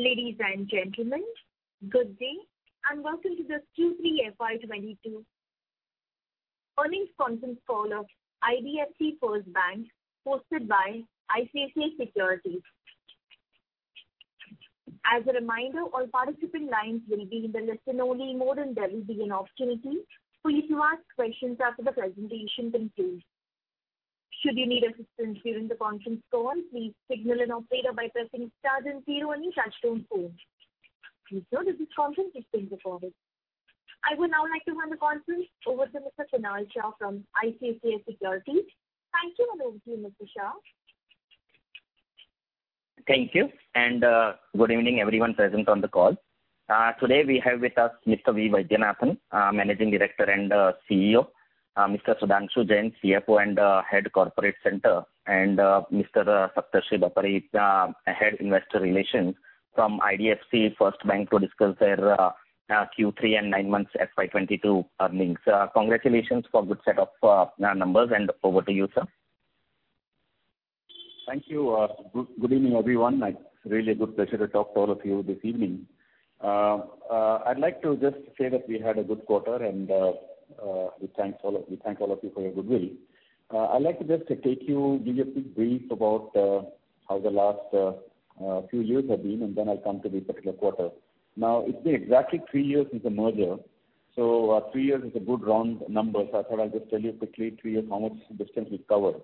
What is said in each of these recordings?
Ladies and gentlemen, good day, and welcome to this Q3 FY 2022 earnings conference call of IDFC FIRST Bank hosted by ICICI Securities. As a reminder, all participant lines will be in the listen-only mode and there will be an opportunity for you to ask questions after the presentation concludes. Should you need assistance during the conference call, please signal an operator by pressing star then zero on your touchtone phone. With that, this conference is in progress. I would now like to hand the conference over to Mr. Kunal Shah from ICICI Securities. Thank you and over to you, Mr. Shah. Thank you, good evening everyone present on the call. Today we have with us Mr. V. Vaidyanathan, Managing Director and CEO, Mr. Sudhanshu Jain, CFO and Head Corporate Center, and Mr. Saptarshi Bapari, Head Investor Relations from IDFC FIRST Bank to discuss their Q3 and nine months FY 2022 earnings. Congratulations for good set of numbers and over to you, sir. Thank you, good evening, everyone. It's really a good pleasure to talk to all of you this evening. I'd like to just say that we had a good quarter and we thank all of you for your goodwill. I'd like to just take you, give you a quick brief about how the last few years have been and then I'll come to the particular quarter. Now, it's been exactly three years since the merger, so three years is a good round number. I thought I'll just tell you quickly three years how much distance we've covered.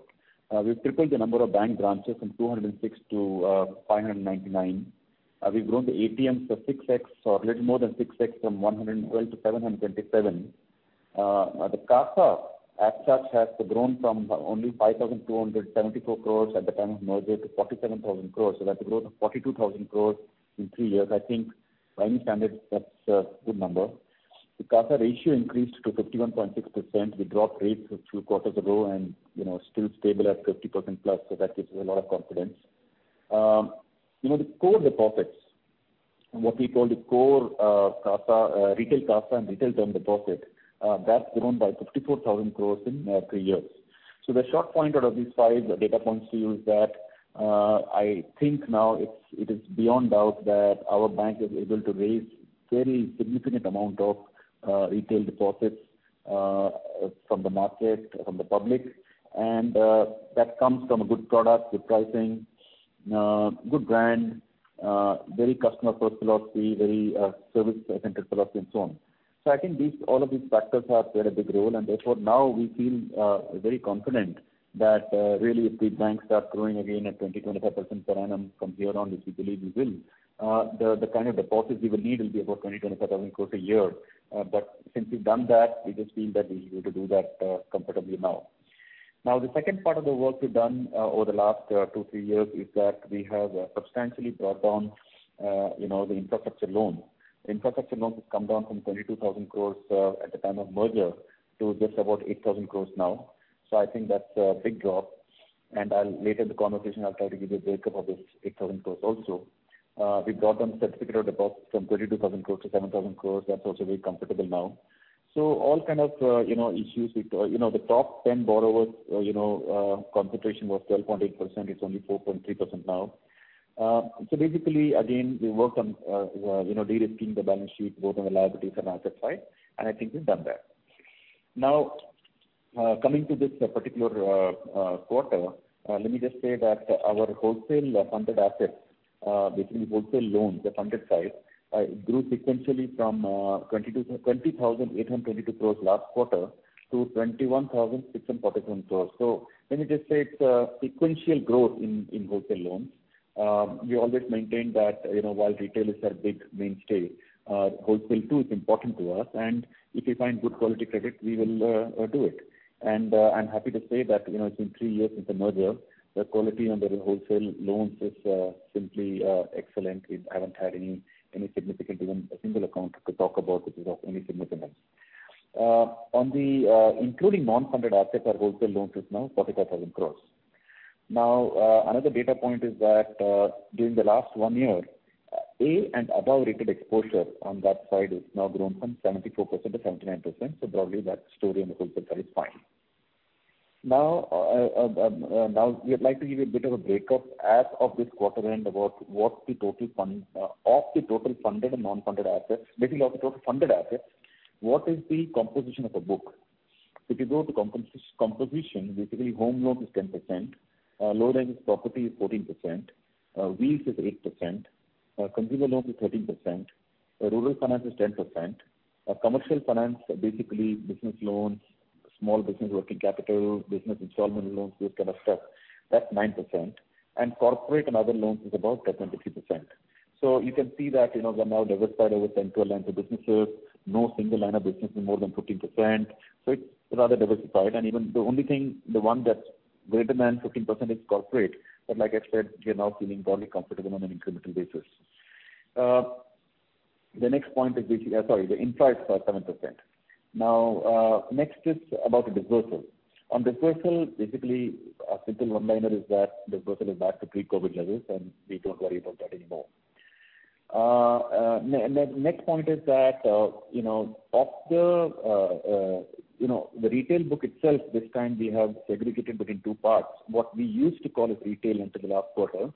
We've tripled the number of bank branches from 206 to 599. We've grown the ATMs to 6x or little more than 6x from 112 to 727. The CASA as such has grown from only 5,274 crore at the time of merger to 47,000 crore. That's a growth of 42,000 crore in three years. I think by any standard that's a good number. The CASA ratio increased to 51.6%. We dropped rates a few quarters ago and, you know, still stable at 50% plus, so that gives us a lot of confidence. You know, the core deposits, what we call the core, CASA, retail CASA and retail term deposit, that's grown by 54,000 crore in three years. The short point out of these five data points to you is that, I think now it is beyond doubt that our bank is able to raise very significant amount of retail deposits from the market, from the public and that comes from a good product, good pricing, good brand, very customer first philosophy, very service-centric philosophy and so on. I think these, all of these factors have played a big role and therefore now we feel very confident that really if the bank starts growing again at 20%-25% per annum from here on, which we believe we will, the kind of deposits we will need will be about 20,000-25,000 crores a year. But since we've done that, we just feel that we're able to do that comfortably now. Now the second part of the work we've done over the last two, three years is that we have substantially brought down you know the infrastructure loan. Infrastructure loans has come down from 22,000 crore at the time of merger to just about 8,000 crore now. I think that's a big drop. I'll later in the conversation try to give you a break-up of this 8,000 crore also. We brought down certificate of deposit from 22,000 crore to 7,000 crore, that's also very comfortable now. All kind of you know issues with you know the top ten borrowers you know concentration was 12.8%, it's only 4.3% now. Basically again, we worked on, you know, de-risking the balance sheet both on the liability and asset side, and I think we've done that. Now, coming to this particular quarter, let me just say that our wholesale funded assets, basically wholesale loans, the funded side, grew sequentially from 20,822 crores last quarter to 21,641 crores. Let me just say it's a sequential growth in wholesale loans. We always maintain that, you know, while retail is our big mainstay, wholesale too is important to us and if we find good quality credit we will do it. I'm happy to say that, you know, it's been three years since the merger, the quality under wholesale loans is simply excellent. We haven't had any significant, even a single account to talk about which is of any significance. Including non-funded assets, our wholesale loans is now 44,000 crore. Now, another data point is that, during the last one year, A and above rated exposure on that side has now grown from 74%-79%, so broadly that story on the wholesale side is fine. Now, we would like to give you a bit of a break-up as of this quarter end about of the total funded and non-funded assets, basically of the total funded assets, what is the composition of the book. If you go to composition, basically home loan is 10%, low-risk property is 14%, wheels is 8%, consumer loan is 13%, rural finance is 10%, commercial finance, basically business loans, small business working capital, business installment loans, this kind of stuff, that's 9%, and corporate and other loans is about 23%. You can see that, you know, we are now diversified over 10-11 businesses. No single line of business is more than 15%, so it's rather diversified. Even the only thing, the one that's greater than 15% is corporate, but like I said, we are now feeling broadly comfortable on an incremental basis. The unsecured are 7%. Now, next is about the disbursal. On disbursal, basically a simple reminder is that disbursal is back to pre-COVID levels and we don't worry about that anymore. Next point is that, you know, of the retail book itself, this time we have segregated between two parts. What we used to call as retail until the last quarter,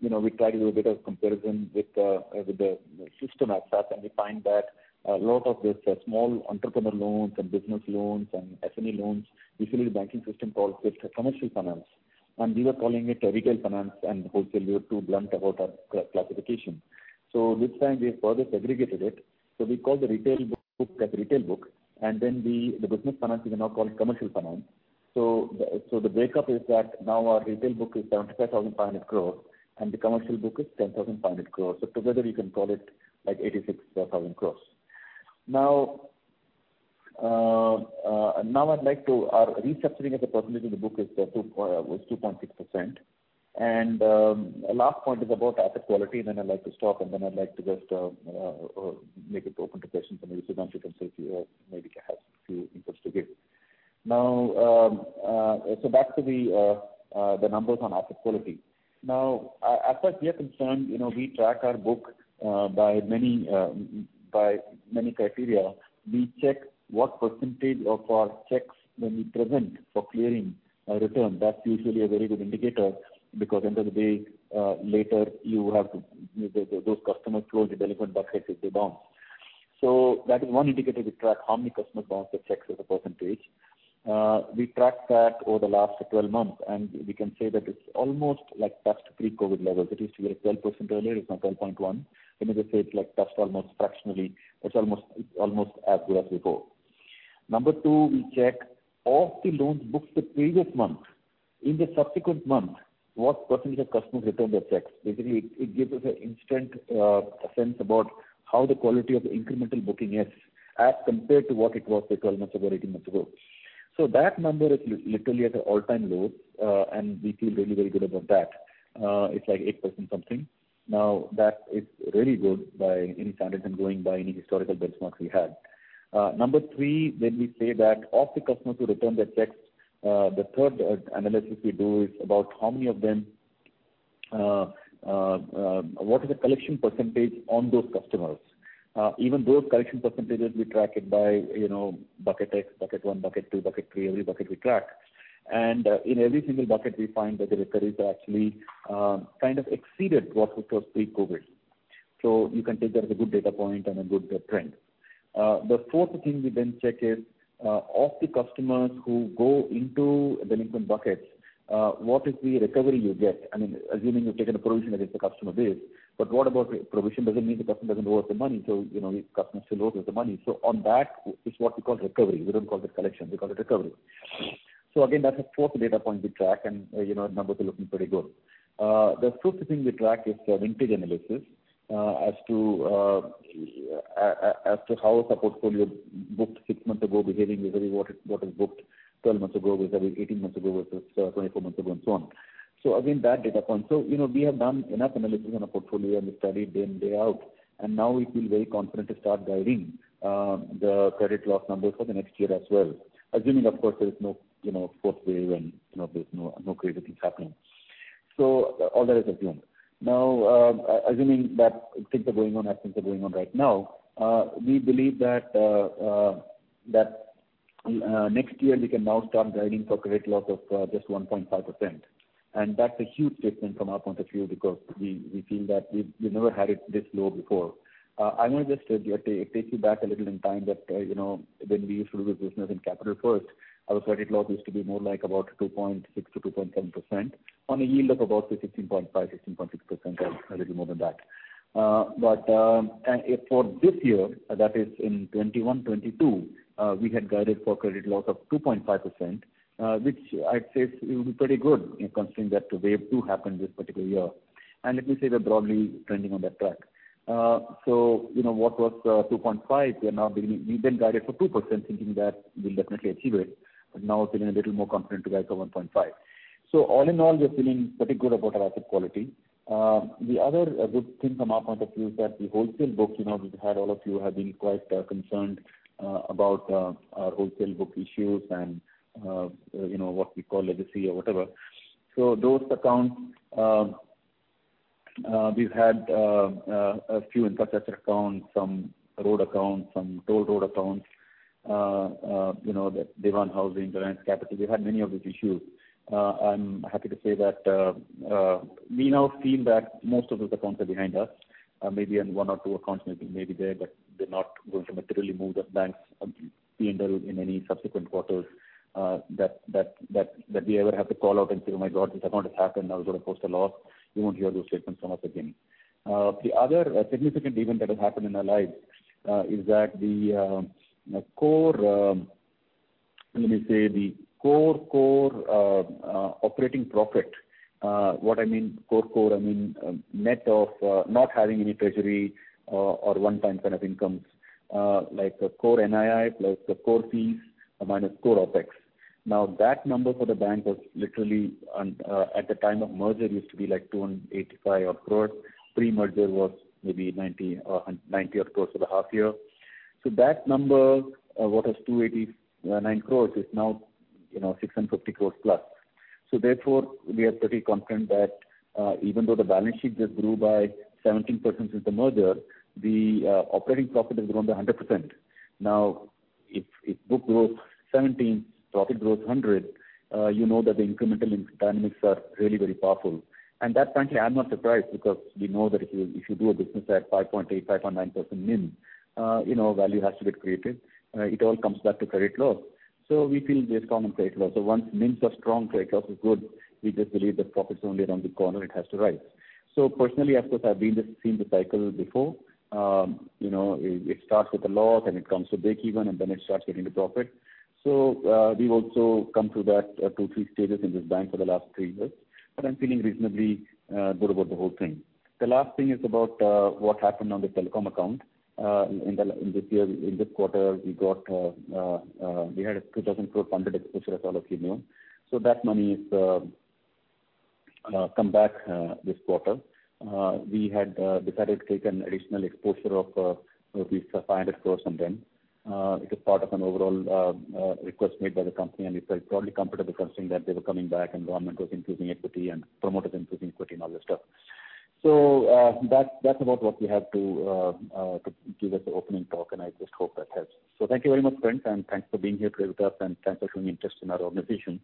you know, we tried to do a bit of comparison with the system assets, and we find that a lot of these small entrepreneur loans and business loans and SME loans, usually the banking system calls it commercial finance. We were calling it retail finance and wholesale. We were too blunt about our classification. This time we have further segregated it. We call the retail book as retail book, and then we, the business finance, we now call it commercial finance. The breakup is that now our retail book is 75,000 crore growth and the commercial book is 10,000 crore growth. Together, you can call it like 86,000 crores. Our restructuring as a percentage of the book was 2.6%. Last point is about asset quality, then I'd like to stop, then I'd like to just make it open to questions, and maybe Sudhanshu can say if he maybe has a few inputs to give. Now, back to the numbers on asset quality. Now, as far as we are concerned, you know, we track our book by many criteria. We check what percentage of our checks when we present for clearing return. That's usually a very good indicator because end of the day, later you have to, those customers flow into delinquent buckets if they bounce. That is one indicator we track, how many customers bounce their checks as a percentage. We tracked that over the last 12 months, and we can say that it's almost like back to pre-COVID levels. It used to be at 12% earlier. It's now 12.1. Let me just say it's like just almost fractionally. It's almost as good as before. Number two, we check of the loans booked the previous month, in the subsequent month, what percentage of customers return their checks. Basically, it gives us an instant sense about how the quality of the incremental booking is as compared to what it was say 12 months ago or 18 months ago. That number is literally at an all-time low, and we feel very, very good about that. It's like 8% something. Now, that is really good by any standards and going by any historical benchmarks we had. Number three, when we say that of the customers who return their checks, the third analysis we do is about how many of them, what is the collection percentage on those customers? Even those collection percentages, we track it by, you know, bucket X, bucket one, bucket two, bucket three. Every bucket we track. In every single bucket, we find that the recoveries are actually kind of exceeded what it was pre-COVID. You can take that as a good data point and a good trend. The fourth thing we then check is, of the customers who go into delinquent buckets, what is the recovery you get? I mean, assuming you've taken a provision against the customer base, but what about provision doesn't mean the customer doesn't owe us the money. You know, the customer still owes us the money. On that is what we call recovery. We don't call it collection. We call it recovery. Again, that's the fourth data point we track and you know, numbers are looking pretty good. The fifth thing we track is vintage analysis as to how is our portfolio booked 6 months ago behaving vis-à-vis what is booked 12 months ago vis-à-vis 18 months ago versus 24 months ago and so on. Again, that data point. You know, we have done enough analysis on our portfolio and we've studied day in, day out, and now we feel very confident to start guiding the credit loss numbers for the next year as well, assuming of course there is no fourth wave and you know, there's no crazy things happening. All that is assumed. Now, assuming that things are going on as things are going on right now, we believe that next year we can now start guiding for credit loss of just 1.5%. That's a huge statement from our point of view because we feel that we've never had it this low before. I want to just take you back a little in time that you know, when we used to do business in Capital First, our credit loss used to be more like about 2.6%-2.7% on a yield of about say 16.5, 16.6% or a little more than that. For this year, that is in 2021-2022, we had guided for credit loss of 2.5%, which I'd say it will be pretty good considering that the wave two happened this particular year. Let me say we're broadly trending on that track. You know what was 2.5, we then guided for 2% thinking that we'll definitely achieve it, but now feeling a little more confident to guide for 1.5%. All in all, we're feeling pretty good about our asset quality. The other good thing from our point of view is that the wholesale book, you know, we've had all of you have been quite concerned about our wholesale book issues and, you know, what we call legacy or whatever. Those accounts, we've had a few infrastructure accounts, some road accounts, some toll road accounts, you know, the Dewan Housing, the Reliance Capital. We've had many of these issues. I'm happy to say that we now feel that most of those accounts are behind us. Maybe, and one or two accounts may be there, but they're not going to materially move the bank's P&L in any subsequent quarters, that we ever have to call out and say, "Oh my God, this account has happened. I was gonna post a loss." You won't hear those statements from us again. The other significant event that has happened in our lives is that the core, let me say the core operating profit, what I mean core I mean net of not having any treasury or one-time kind of incomes, like core NII plus the core fees minus core OpEx. Now, that number for the bank was literally at the time of merger used to be like 285 odd crore. Pre-merger was maybe 90 or 190 odd crore for the half year. That number, what was 289 crore is now, you know, 650 crore +. Therefore, we are pretty confident that, even though the balance sheet just grew by 17% since the merger, the operating profit has grown by 100%. Now if book growth 17%, profit growth 100%, you know that the incremental income dynamics are really very powerful. That frankly, I'm not surprised because we know that if you do a business at 5.8, 5.9% NIM, you know, value has to get created. It all comes back to credit loss. We feel this. Comment on credit loss. Once NIMs are strong, trade-off is good. We just believe that profit's only around the corner, it has to rise. Personally, of course, I've seen this cycle before. You know, it starts with a loss and it comes to breakeven, and then it starts getting the profit. We've also come through that two, three stages in this bank for the last three years, but I'm feeling reasonably good about the whole thing. The last thing is about what happened on the telecom account. In this year, in this quarter, we had a 2,000 crore funded exposure, as all of you know. That money has come back this quarter. We had decided to take an additional exposure of roughly 500 crore from them. It is part of an overall request made by the company, and it felt probably comfortable considering that they were coming back and government was increasing equity and promoters increasing equity and all that stuff. That's about what we have to give as the opening talk, and I just hope that helps. Thank you very much, friends, and thanks for being here today with us, and thanks for showing interest in our organization.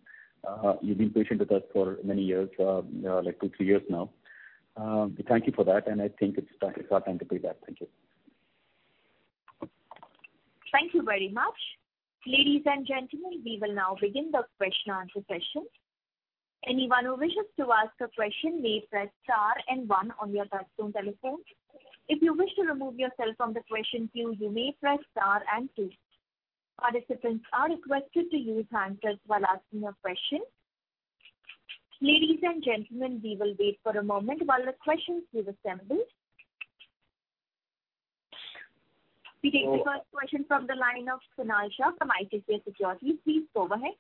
You've been patient with us for many years, like two, three years now. We thank you for that, and I think it's time, it's our time to pay back. Thank you. Thank you very much. Ladies and gentlemen, we will now begin the question-answer session. Anyone who wishes to ask a question may press star and one on your telephone. If you wish to remove yourself from the question queue, you may press star and two. Participants are requested to use hand raise while asking a question. Ladies and gentlemen, we will wait for a moment while the questions be assembled. We take the first question from the line of Kunal Shah from ICICI Securities. Please go ahead.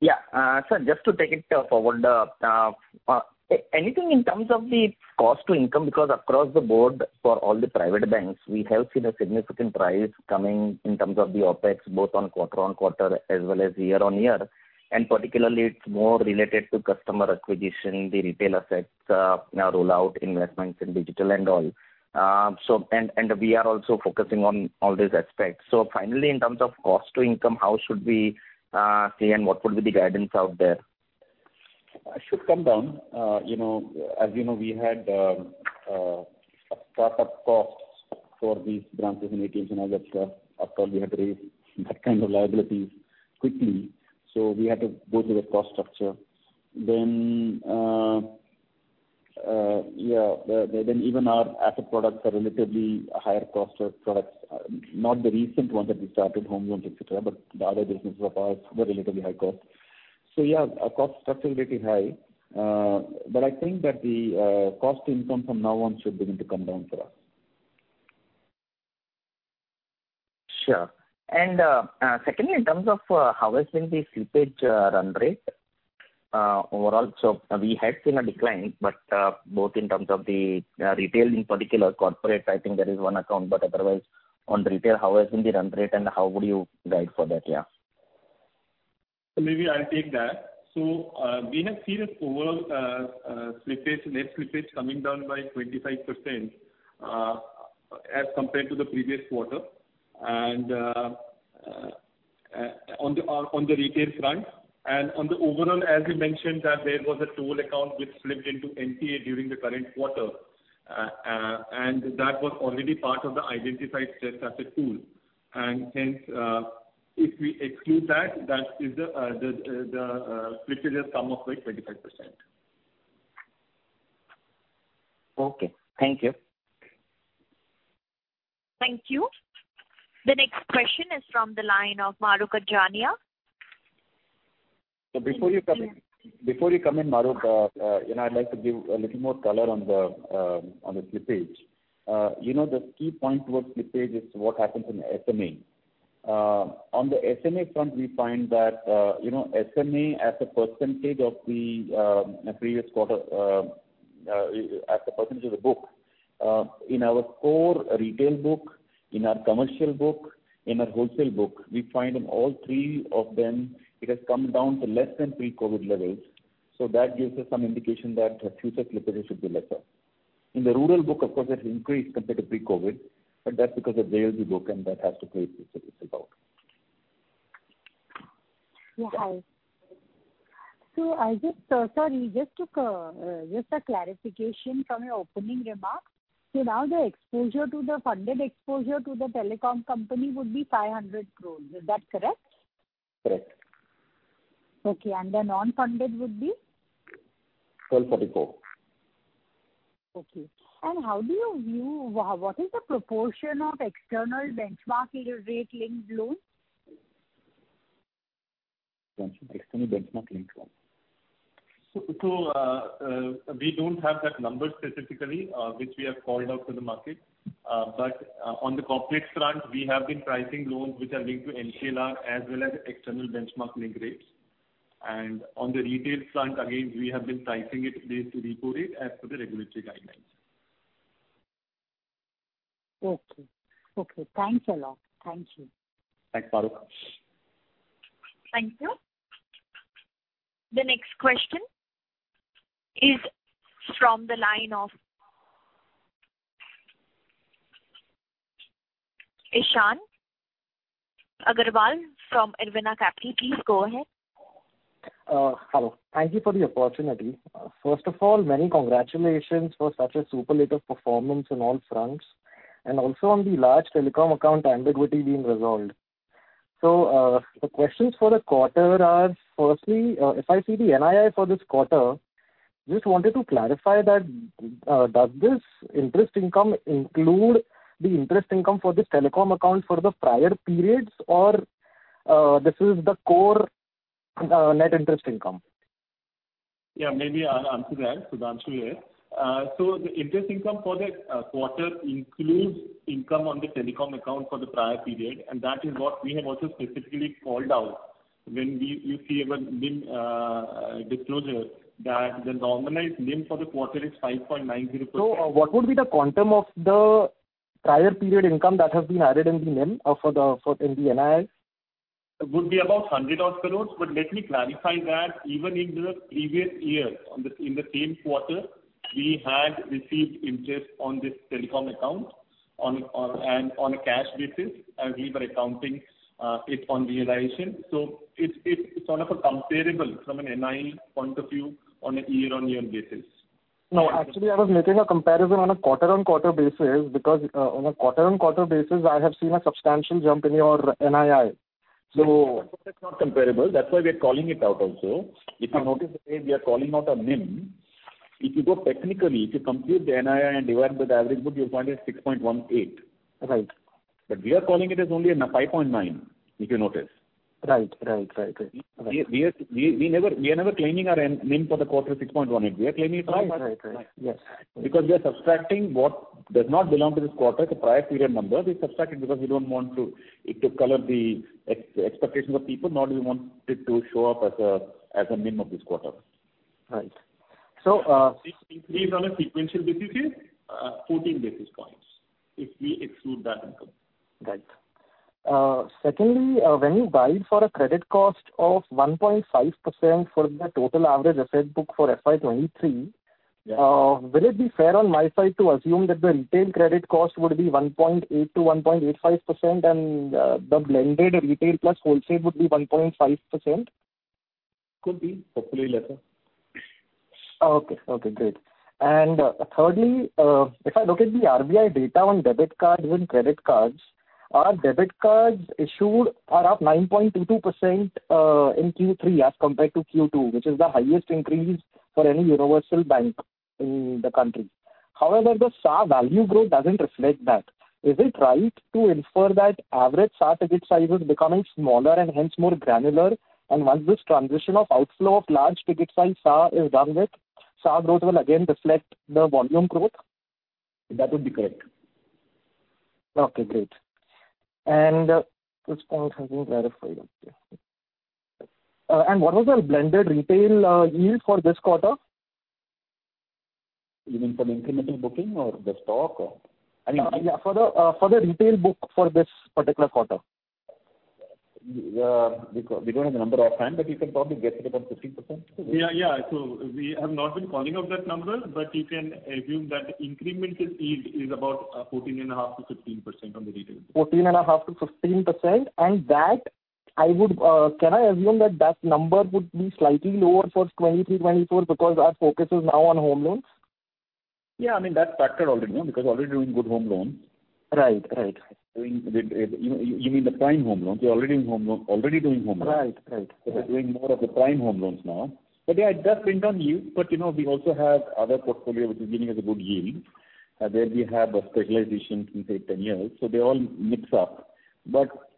Yeah, sir, just to take it forward. Anything in terms of the cost to income, because across the board for all the private banks, we have seen a significant rise coming in terms of the OpEx, both on quarter-on-quarter as well as year-on-year. Particularly it's more related to customer acquisition, the retail assets, you know, rollout investments in digital and all. We are also focusing on all these aspects. Finally, in terms of cost to income, how should we say and what would be the guidance out there? It should come down. You know, as you know, we had start-up costs for these branches in ATMs in aggregate. After all, we had to raise that kind of liabilities quickly, so we had to go through the cost structure. Then even our asset products are relatively higher cost of products. Not the recent ones that we started, home loans, et cetera, but the other businesses of ours were relatively high cost. Yeah, our cost structure is pretty high. But I think that the cost to income from now on should begin to come down for us. Sure. Secondly, in terms of how has been the slippage run rate overall? We had seen a decline, but both in terms of the retail in particular, corporate, I think there is one account, but otherwise on retail, how has been the run rate and how would you guide for that, yeah? Maybe I'll take that. We have seen an overall net slippage coming down by 25% as compared to the previous quarter. On the retail front and on the overall, as we mentioned, that there was a total account which slipped into NPA during the current quarter. That was already part of the identified stress asset pool. Hence, if we exclude that, the slippage has come off by 25%. Okay. Thank you. Thank you. The next question is from the line of Mahrukh Adajania. Before you come in, Mahrukh, you know, I'd like to give a little more color on the slippage. You know, the key point towards slippage is what happens in SMA. On the SMA front, we find that, you know, SMA as a percentage of the previous quarter as a percentage of the book, in our core retail book, in our commercial book, in our wholesale book, we find in all three of them it has come down to less than pre-COVID levels. That gives us some indication that future slippage should be lesser. In the rural book, of course, it increased compared to pre-COVID, but that's because of the ALM book and that has to play itself out. Yeah, hi. Sorry, just a clarification from your opening remarks. Now the funded exposure to the telecom company would be 500 crores. Is that correct? Correct. Okay. The non-funded would be? Twelve forty-four. Okay. What is the proportion of external benchmark rate linked loans? External benchmark linked loans. We don't have that number specifically, which we have called out to the market. On the corporate front, we have been pricing loans which are linked to MCLR as well as external benchmark linked rates. On the retail front, again, we have been pricing it based on repo rate as per the regulatory guidelines. Okay. Okay. Thanks a lot. Thank you. Thanks, Mahrukh Adajania. Thank you. The next question is from the line of Ishan Agarwal from Erevna Capital. Please go ahead. Hello. Thank you for the opportunity. First of all, many congratulations for such a superlative performance on all fronts, and also on the large telecom account ambiguity being resolved. The questions for the quarter are, firstly, if I see the NII for this quarter, just wanted to clarify that, does this interest income include the interest income for this telecom account for the prior periods or, this is the core, net interest income? Yeah, maybe I'll answer that. Sudhanshu here. So the interest income for that quarter includes income on the telecom account for the prior period, and that is what we have also specifically called out when we, you see, our NIM disclosure that the normalized NIM for the quarter is 5.90%. What would be the quantum of the prior period income that has been added in the NIM for the NII? It would be about 100 crore. Let me clarify that even in the previous year in the same quarter, we had received interest on this telecom account on a cash basis and we were accounting it on realization. It's sort of a comparable from an NII point of view on a year-on-year basis. No, actually, I was making a comparison on a quarter-on-quarter basis because on a quarter-on-quarter basis, I have seen a substantial jump in your NII. That's not comparable. That's why we are calling it out also. If you notice that we are calling out our NIM. If you go technically, if you compute the NII and divide by the average book, you'll find it 6.18%. Right. We are calling it as only a 5.9, if you notice. Right. We are never claiming our NIM for the quarter 6.18%. We are claiming it 5%. Right. Yes. Because we are subtracting what does not belong to this quarter, it's a prior period number. We subtract it because we don't want it to color the expectations of people, nor do we want it to show up as a NIM of this quarter. Right. Increase on a sequential basis is 14 basis points, if we exclude that income. Right. Secondly, when you guide for a credit cost of 1.5% for the total average asset book for FY 2023- Yeah. Will it be fair on my side to assume that the retail credit cost would be 1.8%-1.85% and the blended retail plus wholesale would be 1.5%? Could be. Hopefully less. Okay. Okay, great. Thirdly, if I look at the RBI data on debit cards and credit cards, our debit cards issued are up 9.22%, in Q3 as compared to Q2, which is the highest increase for any universal bank in the country. However, the SA value growth doesn't reflect that. Is it right to infer that average SA ticket size is becoming smaller and hence more granular, and once this transition of outflow of large ticket size SA is done with, SA growth will again reflect the volume growth? That would be correct. Okay, great. This point has been verified. Okay. And what was our blended retail yield for this quarter? You mean from incremental booking or the stock or? For the retail book for this particular quarter. We don't have the number offhand, but you can probably guess it about 15%. We have not been calling out that number, but you can assume that incremental yield is about 14.5%-15% on the retail. 14.5%-15%. That I would, can I assume that that number would be slightly lower for 2023, 2024 because our focus is now on home loans? Yeah, I mean, that's factored already, no, because we're already doing good home loans. Right. Right. You mean the prime home loans. We're already doing home loans. Right. Right. We're doing more of the prime home loans now. Yeah, it does bring down yield, but, you know, we also have other portfolio which is giving us a good yield. There we have a specialization in, say, 10 years, so they all mix up.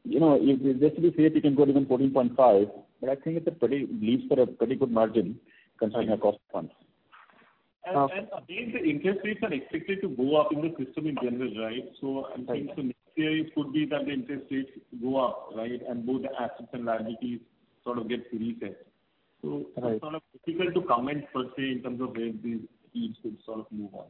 You know, just to be safe, you can go to even 14.5%, but I think it leaves a pretty good margin considering our cost of funds. Um- Again, the interest rates are expected to go up in the system in general, right? I'm thinking next year it could be that the interest rates go up, right, and both the assets and liabilities sort of get reset. Right. It's sort of difficult to comment per se in terms of where these yields will sort of move on.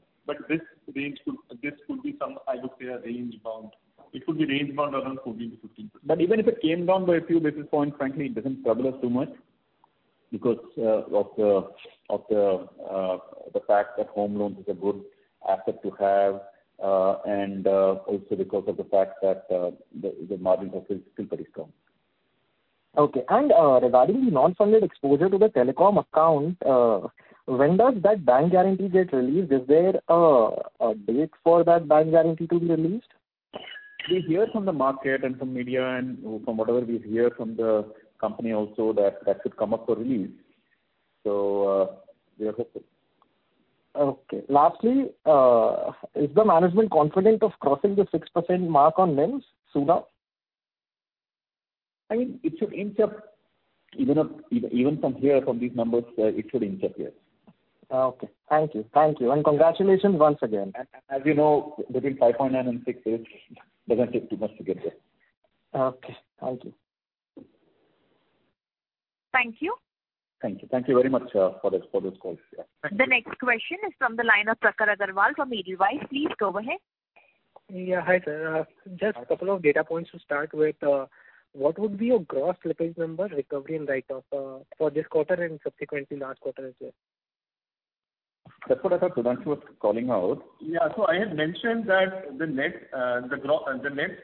This range could be somewhat, I would say, range bound. It could be range bound around 14%-15%. Even if it came down by a few basis points, frankly, it doesn't trouble us too much because of the fact that home loans is a good asset to have, and also because of the fact that the margin are still pretty strong. Okay. Regarding the non-funded exposure to the telecom account, when does that bank guarantee get released? Is there a date for that bank guarantee to be released? We hear from the market and from media and from whatever we hear from the company also that that should come up for release. We are hopeful. Okay. Lastly, is the management confident of crossing the 6% mark on NIMs sooner? I mean, it should inch up even from here, from these numbers. It should inch up, yes. Okay. Thank you. Congratulations once again. As you know, between 5.9 and six, it doesn't take too much to get there. Okay. Thank you. Thank you. Thank you. Thank you very much for this call. Yeah. The next question is from the line of Pranav Agarwal from Edelweiss. Please go ahead. Yeah. Hi, sir. Just a couple of data points to start with. What would be your gross slippage number recovery and write-off, for this quarter and subsequently last quarter as well? That's what I thought Sudhanshu was calling out. I had mentioned that the net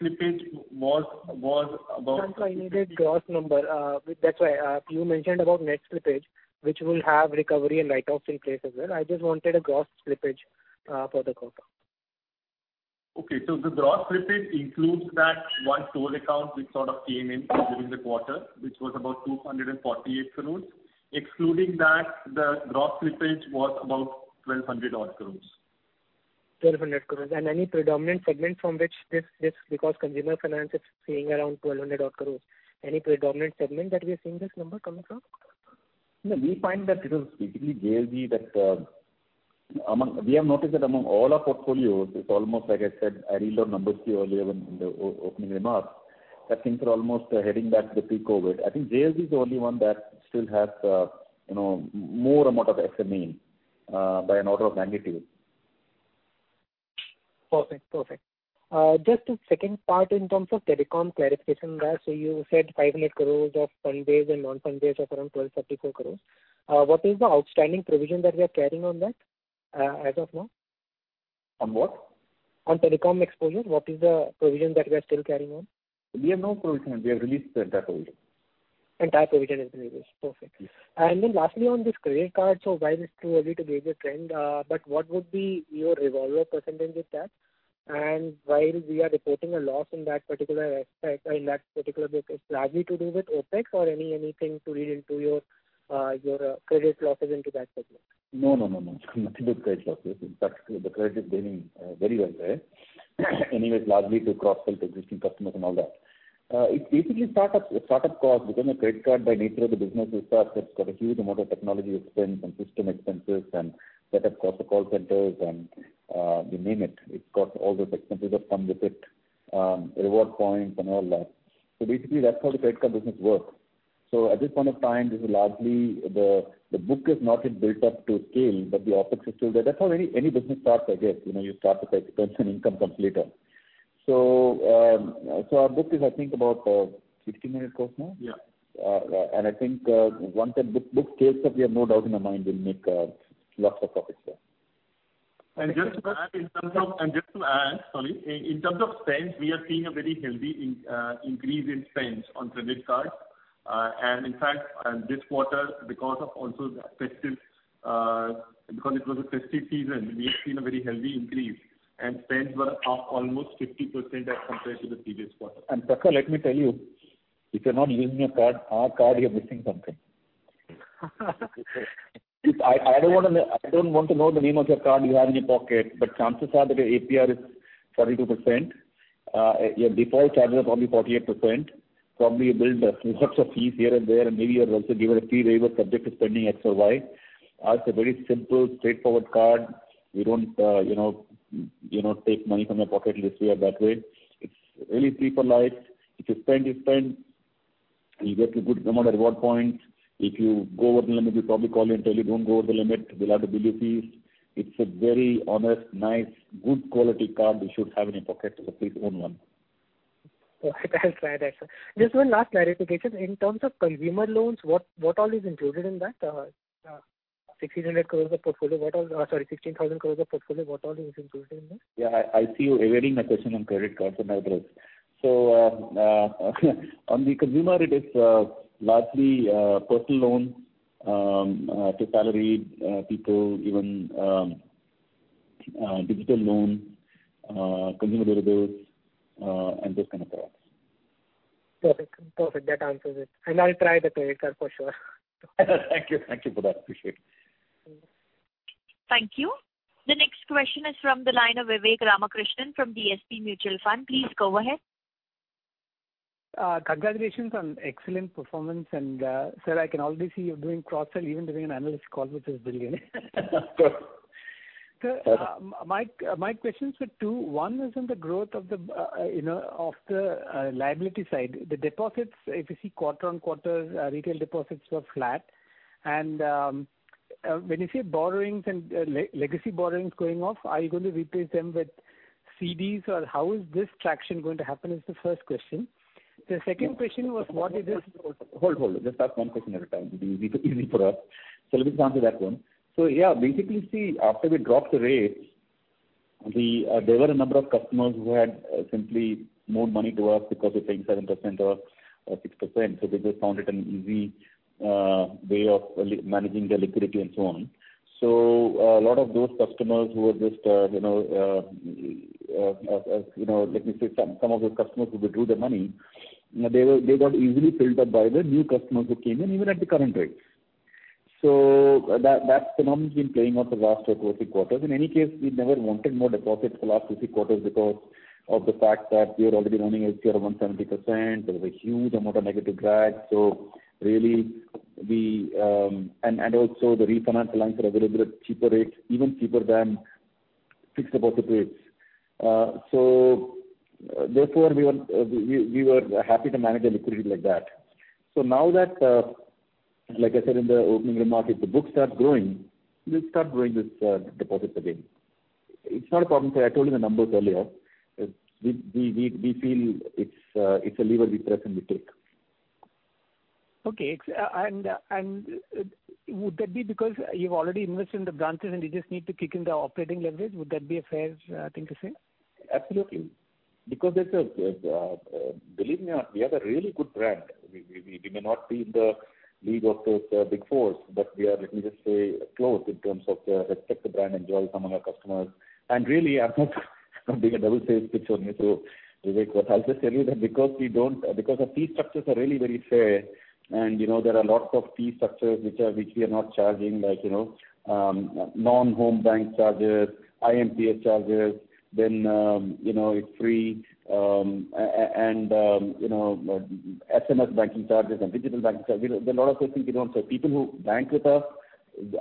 slippage was about- No, I needed gross number. That's why you mentioned about net slippage, which will have recovery and write-offs in place as well. I just wanted a gross slippage for the quarter. Okay. The gross slippage includes that one sole account which sort of came in during the quarter, which was about 248 crores. Excluding that, the gross slippage was about 1,200-odd crores. 1,200 crores. Any predominant segment from which this because consumer finance is seeing around 1,200 odd crores. Any predominant segment that we are seeing this number coming from? No, we find that it is basically JLG that. We have noticed that among all our portfolios, it's almost like I said. I read our numbers to you earlier in the opening remarks, that things are almost heading back to the pre-COVID. I think JLG is the only one that still has, you know, more amount of SME by an order of magnitude. Perfect. Just a second part in terms of telecom clarification there. You said 500 crore of fund-based and non-fund-based of around 1,234 crore. What is the outstanding provision that we are carrying on that, as of now? On what? On telecom exposure, what is the provision that we are still carrying on? We have no provision. We have released the entire provision. Entire provision is released. Perfect. Yes. Then lastly, on this credit card, so while it's too early to gauge a trend, but what would be your revolver percentage with that? While we are reporting a loss in that particular aspect or in that particular book, is it largely to do with OpEx or anything to read into your credit losses into that segment? No, no, no. It's nothing to do with credit losses. In fact, the credit is doing very well there. Anyway, it's largely to cross-sell to existing customers and all that. It's basically startup costs because a credit card by nature of the business is such that it's got a huge amount of technology expense and system expenses and set up costs for call centers and, you name it's got all those expenses that come with it, reward points and all that. Basically, that's how the credit card business works. At this point of time, this is largely the book is not yet built up to scale, but the OpEx is still there. That's how any business starts, I guess. You know, you start with expense and income comes later. Our book is, I think, about 15 million crores now. Yeah. I think once that book scales up, we have no doubt in our mind we'll make lots of profits there. Just to add, sorry. In terms of spends, we are seeing a very healthy increase in spends on credit cards. In fact, this quarter because of also the festive, because it was a festive season, we have seen a very healthy increase and spends were up almost 50% as compared to the previous quarter. Prakar, let me tell you, if you're not using your card, our card, you're missing something. I don't want to know the name of your card you have in your pocket, but chances are that your APR is 22%. Your default charges are probably 48%. Probably you build a few lots of fees here and there, and maybe you're also given a fee waiver subject to spending X or Y. Ours is a very simple, straightforward card. We don't, you know, take money from your pocket this way or that way. It's really people like, if you spend, you get a good amount of reward points. If you go over the limit, we probably call you and tell you, "Don't go over the limit. We'll have to bill you fees." It's a very honest, nice, good quality card you should have in your pocket. Please own one. I'll try that, sir. Just one last clarification. In terms of consumer loans, what all is included in that? 16,000 crore of portfolio, what all is included in that? Yeah. I see you evading my question on credit cards and I agree. On the consumer, it is largely personal loans to salaried people, even digital loan, consumer durables, and those kind of products. Perfect. That answers it. I'll try the credit card for sure. Thank you. Thank you for that. Appreciate it. Thank you. The next question is from the line of Vivek Ramakrishnan from DSP Mutual Fund. Please go ahead. Congratulations on excellent performance. Sir, I can already see you're doing cross-sell even during an analyst call, which is brilliant. Sir. Okay. My questions were two. One was on the growth of the liability side. The deposits, if you see quarter-on-quarter, retail deposits were flat. When you say borrowings and legacy borrowings going off, are you going to replace them with CDs? Or how is this traction going to happen, is the first question. The second question was what is this- Hold. Just ask one question at a time. It'll be easy for us. Let me answer that one. Yeah, basically, see, after we dropped the rates, there were a number of customers who had simply more money to us because we're paying 7% or 6%. They just found it an easy way of managing their liquidity and so on. A lot of those customers who were just, you know, you know, let me say some of those customers who withdrew their money, they got easily filled up by the new customers who came in even at the current rates. That phenomenon's been playing out the last two or three quarters. In any case, we never wanted more deposits the last two or three quarters because of the fact that we are already running a Tier 1 of 170%. There was a huge amount of negative drag. The refinance lines are available at cheaper rates, even cheaper than fixed deposit rates. We were happy to manage the liquidity like that. Like I said in the opening remark, if the books start growing, we'll start growing this deposits again. It's not a problem, sir. I told you the numbers earlier. We feel it's a lever we presently take. Okay. Would that be because you've already invested in the branches and you just need to kick in the operating leverage? Would that be a fair thing to say? Absolutely. Because believe me, we have a really good brand. We may not be in the league of those Big Fours, but we are, let me just say, close in terms of respect that the brand enjoys among our customers. Really, I'm not being a double sales pitch only. Vivek, what I'll just tell you that our fee structures are really very fair and, you know, there are lots of fee structures which we are not charging, like, you know, non-home bank charges, IMPS charges, then, you know, it's free. And, you know, SMS banking charges and digital banking charges. You know, there are a lot of things we don't charge. People who bank with us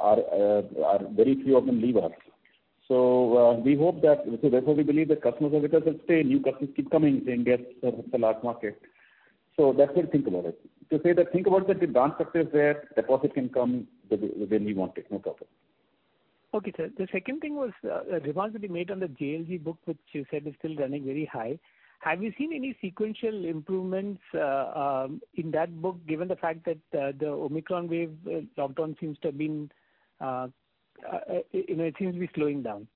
are very few of them leave us. We hope that... Therefore we believe that customers are with us and stay, new customers keep coming in. Yes, it's a large market. That's how you think about it. To say that think about the branch structures where deposits can come the way we want it, no problem. Okay, sir. The second thing was, returns that we made on the JLG book, which you said is still running very high. Have you seen any sequential improvements, in that book, given the fact that, the Omicron wave, lockdown seems to have been, you know, it seems to be slowing down?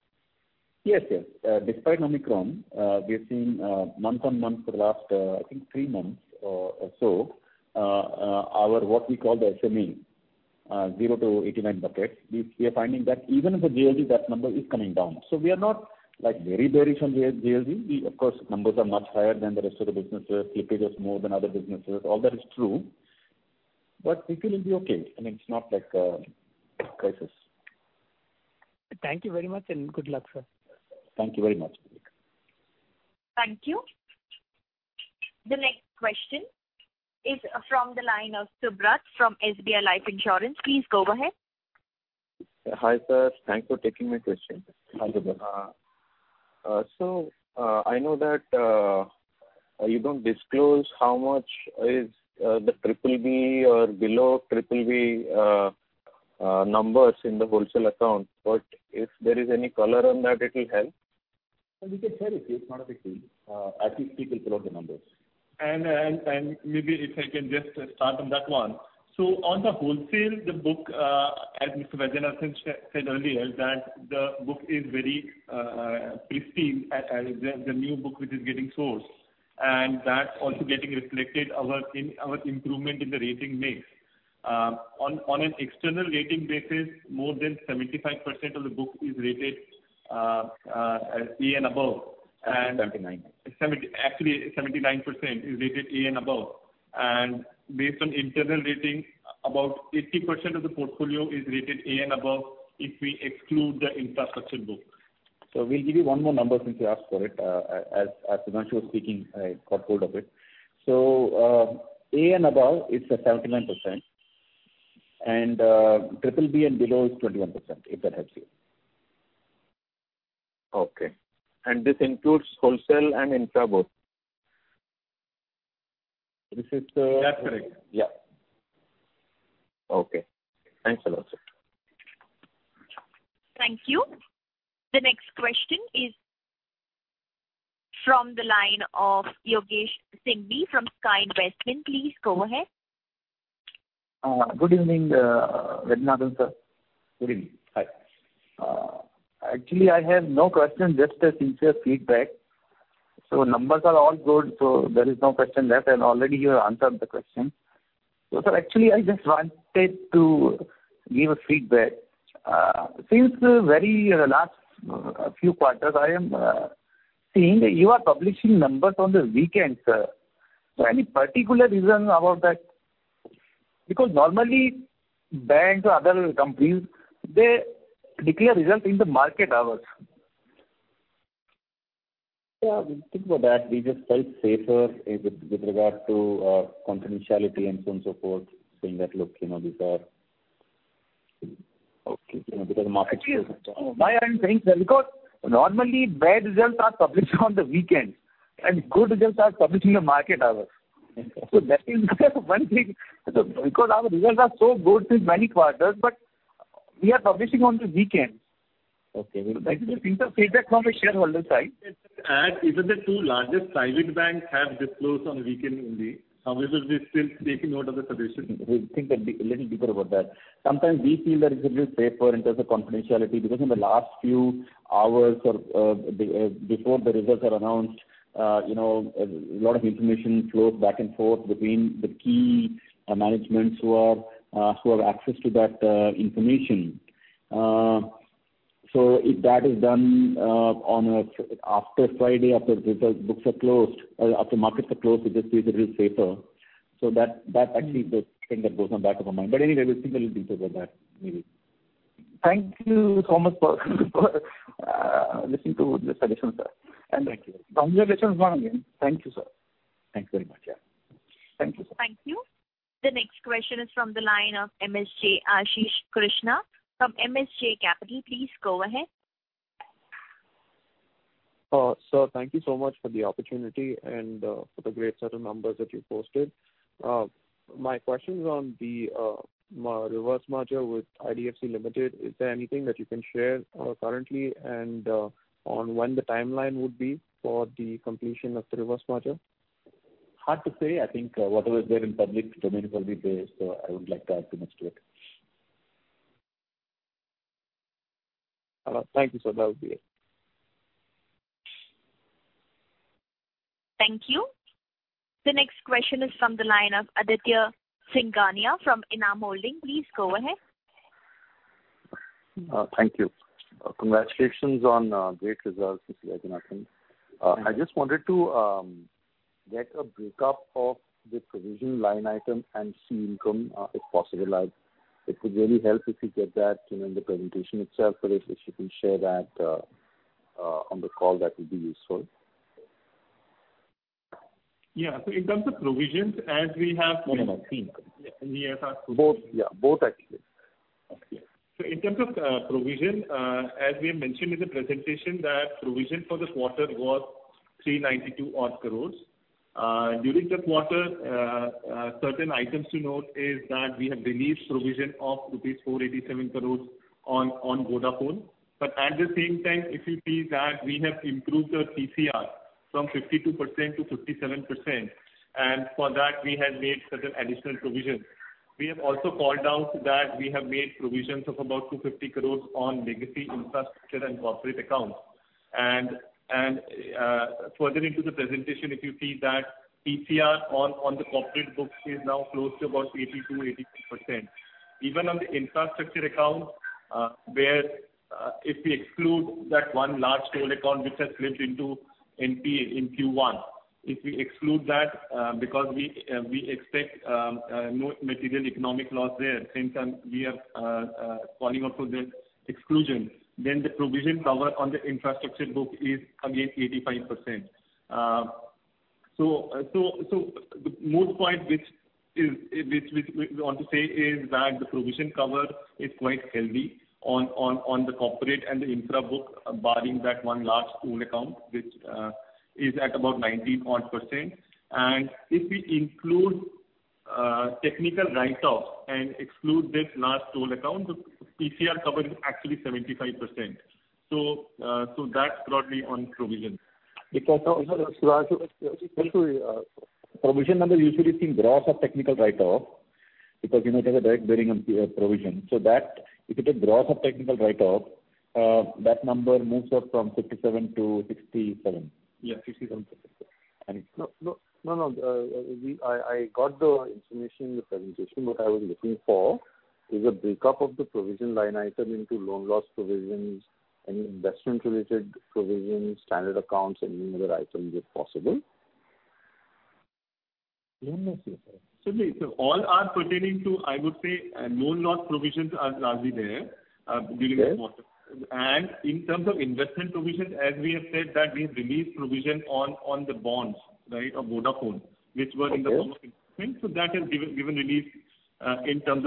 Yes, yes. Despite Omicron, we've seen month-on-month for the last, I think three months or so, our what we call the SME 0-89 buckets. We are finding that even in the JLG, that number is coming down. We are not like very, very from JLG. We of course, numbers are much higher than the rest of the businesses. Slippage is more than other businesses. All that is true, but we feel it'll be okay. I mean, it's not like a crisis. Thank you very much and good luck, sir. Thank you very much, Vivek. Thank you. The next question is from the line of Subrat from SBI Life Insurance. Please go ahead. Hi, sir. Thanks for taking my question. Hi, Subrat. I know that you don't disclose how much is the triple B or below triple B numbers in the wholesale account. If there is any color on that, it'll help. We can share with you. It's not a big deal. I think people follow the numbers. Maybe if I can just start on that one. On the wholesale, the book, as Mr. V. Vaidyanathan said earlier that the book is very pristine. The new book which is getting sourced and that's also getting reflected in our improvement in the rating mix. On an external rating basis, more than 75% of the book is rated A and above. Actually 79. Actually 79% is rated A and above. Based on internal rating, about 80% of the portfolio is rated A and above if we exclude the infrastructure book. We'll give you one more number since you asked for it. As Subrat was speaking, I got hold of it. A and above is at 79% and triple B and below is 21%, if that helps you. Okay. This includes wholesale and intra both? This is, That's correct. Yeah. Okay. Thanks a lot, sir. Thank you. The next question is from the line of Yogesh Singhvi from Sky Investment. Please go ahead. Good evening, Vaidyanathan sir. Good evening. Hi. Actually, I have no question, just a sincere feedback. Numbers are all good, so there is no question left and already you have answered the question. Sir, actually, I just wanted to give a feedback. Since the very last few quarters, I am seeing that you are publishing numbers on the weekend, sir. Any particular reason about that? Because normally banks or other companies, they declare results in the market hours. Yeah. Think about that. We just felt safer with regards to confidentiality and so on, so forth, saying that, look, you know, these are- Okay. You know, because the market Actually, why I'm saying, sir, because normally bad results are published on the weekend and good results are published in the market hours. That is one thing. Because our results are so good since many quarters, but we are publishing on the weekend. Okay. That is a simple feedback from a shareholder side. Even the two largest private banks have disclosed on weekend only. We will be still taking note of the tradition. We'll think a little deeper about that. Sometimes we feel that it's a little safer in terms of confidentiality because in the last few hours or before the results are announced, you know, a lot of information flows back and forth between the key managements who have access to that information. If that is done after Friday, after results, books are closed, after markets are closed, we just feel a little safer. That actually is the thing that goes on back of our mind. Anyway, we'll think a little deeper about that maybe. Thank you so much for listening to this addition, sir. Thank you. Congratulations once again. Thank you, sir. Thanks very much. Yeah. Thank you. Thank you. The next question is from the line of MSJ Ashish Krishna from MSJ Capital. Please go ahead. Thank you so much for the opportunity and for the great set of numbers that you posted. My question is on the reverse merger with IDFC Limited. Is there anything that you can share currently, and on when the timeline would be for the completion of the reverse merger? Hard to say. I think whatever is there in public domain will be there, so I would like to add too much to it. Thank you, sir. That would be it. Thank you. The next question is from the line of Aditya Singhania from ENAM Holdings. Please go ahead. Thank you. Congratulations on great results, Mr. V. Vaidyanathan. I just wanted to get a breakup of the provision line item and the income, if possible. Like, it would really help if you get that, you know, in the presentation itself. If you can share that, on the call, that would be useful. Yeah. In terms of provisions, as we have- No, no. Yes. Both. Yeah, both, actually. Okay. In terms of provision, as we have mentioned in the presentation that provision for this quarter was 392 odd crores. During the quarter, certain items to note is that we have released provision of rupees 487 crores on Vodafone. At the same time, if you see that we have improved the PCR from 52% to 57%, and for that we have made certain additional provisions. We have also called out that we have made provisions of about 250 crores on legacy infrastructure and corporate accounts. Further into the presentation, if you see that PCR on the corporate books is now close to about 82%-83%. Even on the infrastructure account, where if we exclude that one large toll account which has slipped into NPA in Q1, if we exclude that, because we expect no material economic loss there, at the same time we are calling out for this exclusion, then the provision cover on the infrastructure book is again 85%. So the main point which we want to say is that the provision cover is quite healthy on the corporate and the infra book barring that one large toll account, which is at about 19% odd. If we include technical write-off and exclude this large toll account, the PCR cover is actually 75%. So that's broadly on provision. Because provision number you usually see gross of technical write-off because, you know, it has a direct bearing on provision. That, if you take gross of technical write-off, that number moves up from 57% to 67%. Yeah. 67. No, no. I got the information in the presentation. What I was looking for is a break up of the provision line item into loan loss provisions, any investment related provisions, standard accounts, any other items, if possible. Yeah. I see. All are pertaining to, I would say, loan loss provisions are largely there. Okay. During the quarter. In terms of investment provisions, as we have said that we have released provision on the bonds, right, of Vodafone, which were in the process of improvement. Okay. That has given release in terms